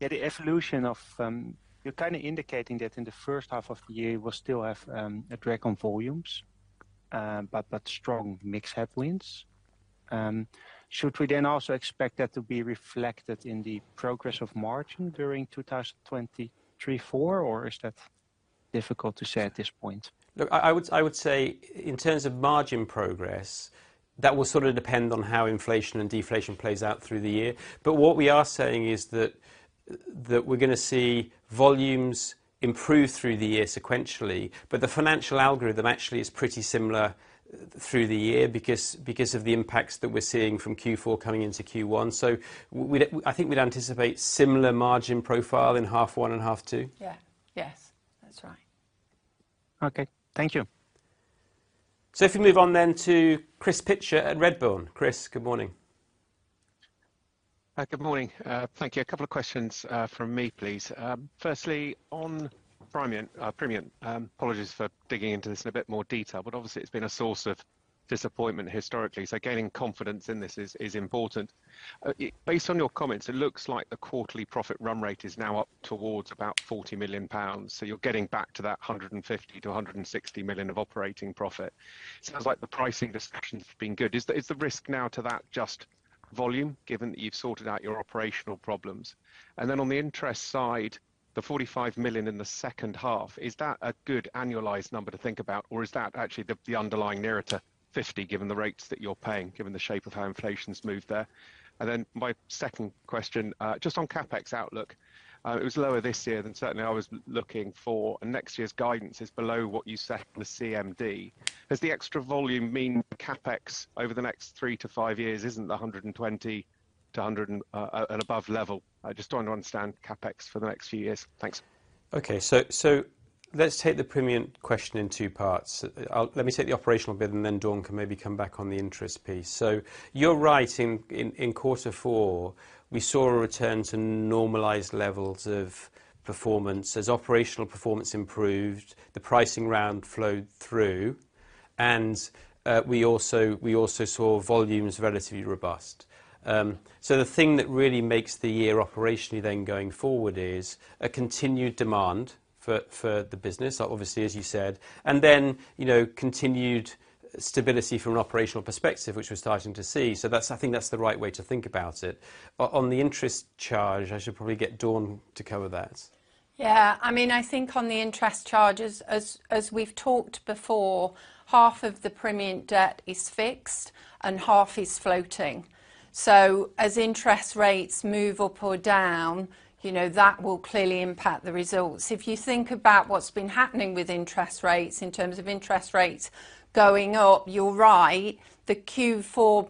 The evolution of... You're kind of indicating that in the first half of the year, we'll still have a drag on volumes, but strong mix headwinds. Should we then also expect that to be reflected in the progress of margin during 2023/2024, or is that difficult to say at this point? I would say in terms of margin progress, that will sort of depend on how inflation and deflation plays out through the year. What we are saying is that we're going to see volumes improve through the year sequentially, but the financial algorithm actually is pretty similar through the year because of the impacts that we're seeing from Q4 coming into Q1. I think we'd anticipate similar margin profile in half one and half two. Yeah. Yes, that's right. Okay. Thank you. If we move on then to Chris Pitcher at Redburn. Chris, good morning. Good morning. Thank you. A couple of questions from me, please. Firstly, on Primient, apologies for digging into this in a bit more detail, but obviously, it's been a source of disappointment historically, so gaining confidence in this is important. Based on your comments, it looks like the quarterly profit run rate is now up towards about 40 million pounds, so you're getting back to that 150 million-160 million of operating profit. Sounds like the pricing discussions have been good. Is the risk now to that just volume, given that you've sorted out your operational problems? On the interest side, the 45 million in the second half, is that a good annualized number to think about, or is that actually the underlying nearer to 50, given the rates that you're paying, given the shape of how inflation's moved there? My second question, just on CapEx outlook. It was lower this year than certainly I was looking for, and next year's guidance is below what you set in the CMD. Does the extra volume mean CapEx over the next 3 to 5 years isn't the 120 million to 100 million and at above level? I just want to understand CapEx for the next few years. Thanks. Okay. Let's take the Primient question in 2 parts. Let me take the operational bit, and then Dawn can maybe come back on the interest piece. You're right, in quarter four, we saw a return to normalized levels of performance. As operational performance improved, the pricing round flowed through, and we also saw volumes relatively robust. The thing that really makes the year operationally then going forward is a continued demand for the business, obviously, as you said, and then, you know, continued stability from an operational perspective, which we're starting to see. I think that's the right way to think about it. On the interest charge, I should probably get Dawn to cover that. Yeah, I mean, I think on the interest charges, as we've talked before, half of the Primient debt is fixed and half is floating. As interest rates move up or down, you know, that will clearly impact the results. If you think about what's been happening with interest rates, in terms of interest rates going up, you're right. The Q4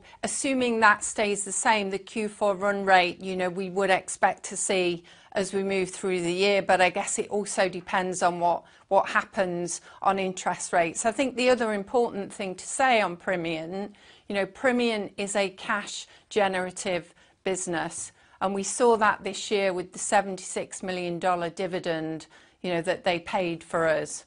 run rate, you know, we would expect to see as we move through the year. I guess it also depends on what happens on interest rates. I think the other important thing to say on Primient, you know, Primient is a cash-generative business. We saw that this year with the $76 million dividend, you know, that they paid for us.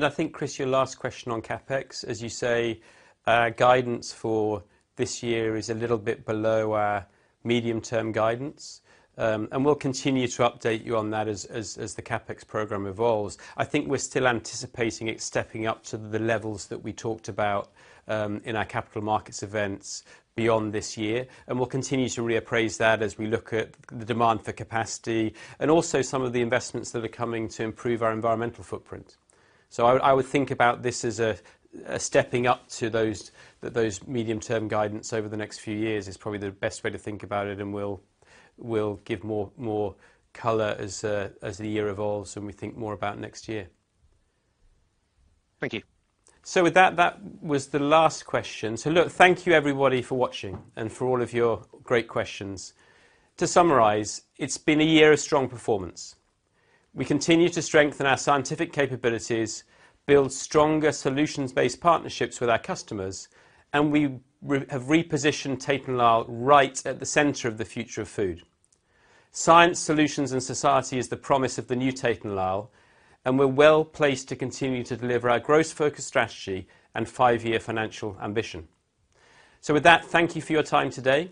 I think, Chris, your last question on CapEx, as you say, our guidance for this year is a little bit below our medium-term guidance. We'll continue to update you on that as the CapEx program evolves. I think we're still anticipating it stepping up to the levels that we talked about in our capital markets events beyond this year, and we'll continue to reappraise that as we look at the demand for capacity, and also some of the investments that are coming to improve our environmental footprint. I would think about this as a stepping up to those medium-term guidance over the next few years, is probably the best way to think about it, and we'll give more color as the year evolves and we think more about next year. Thank you. With that was the last question. Look, thank you, everybody, for watching and for all of your great questions. To summarize, it's been a year of strong performance. We continue to strengthen our scientific capabilities, build stronger solutions-based partnerships with our customers, and we have repositioned Tate & Lyle right at the center of the future of food. Science, solutions, and society is the promise of the new Tate & Lyle, and we're well-placed to continue to deliver our growth-focused strategy and five-year financial ambition. With that, thank you for your time today.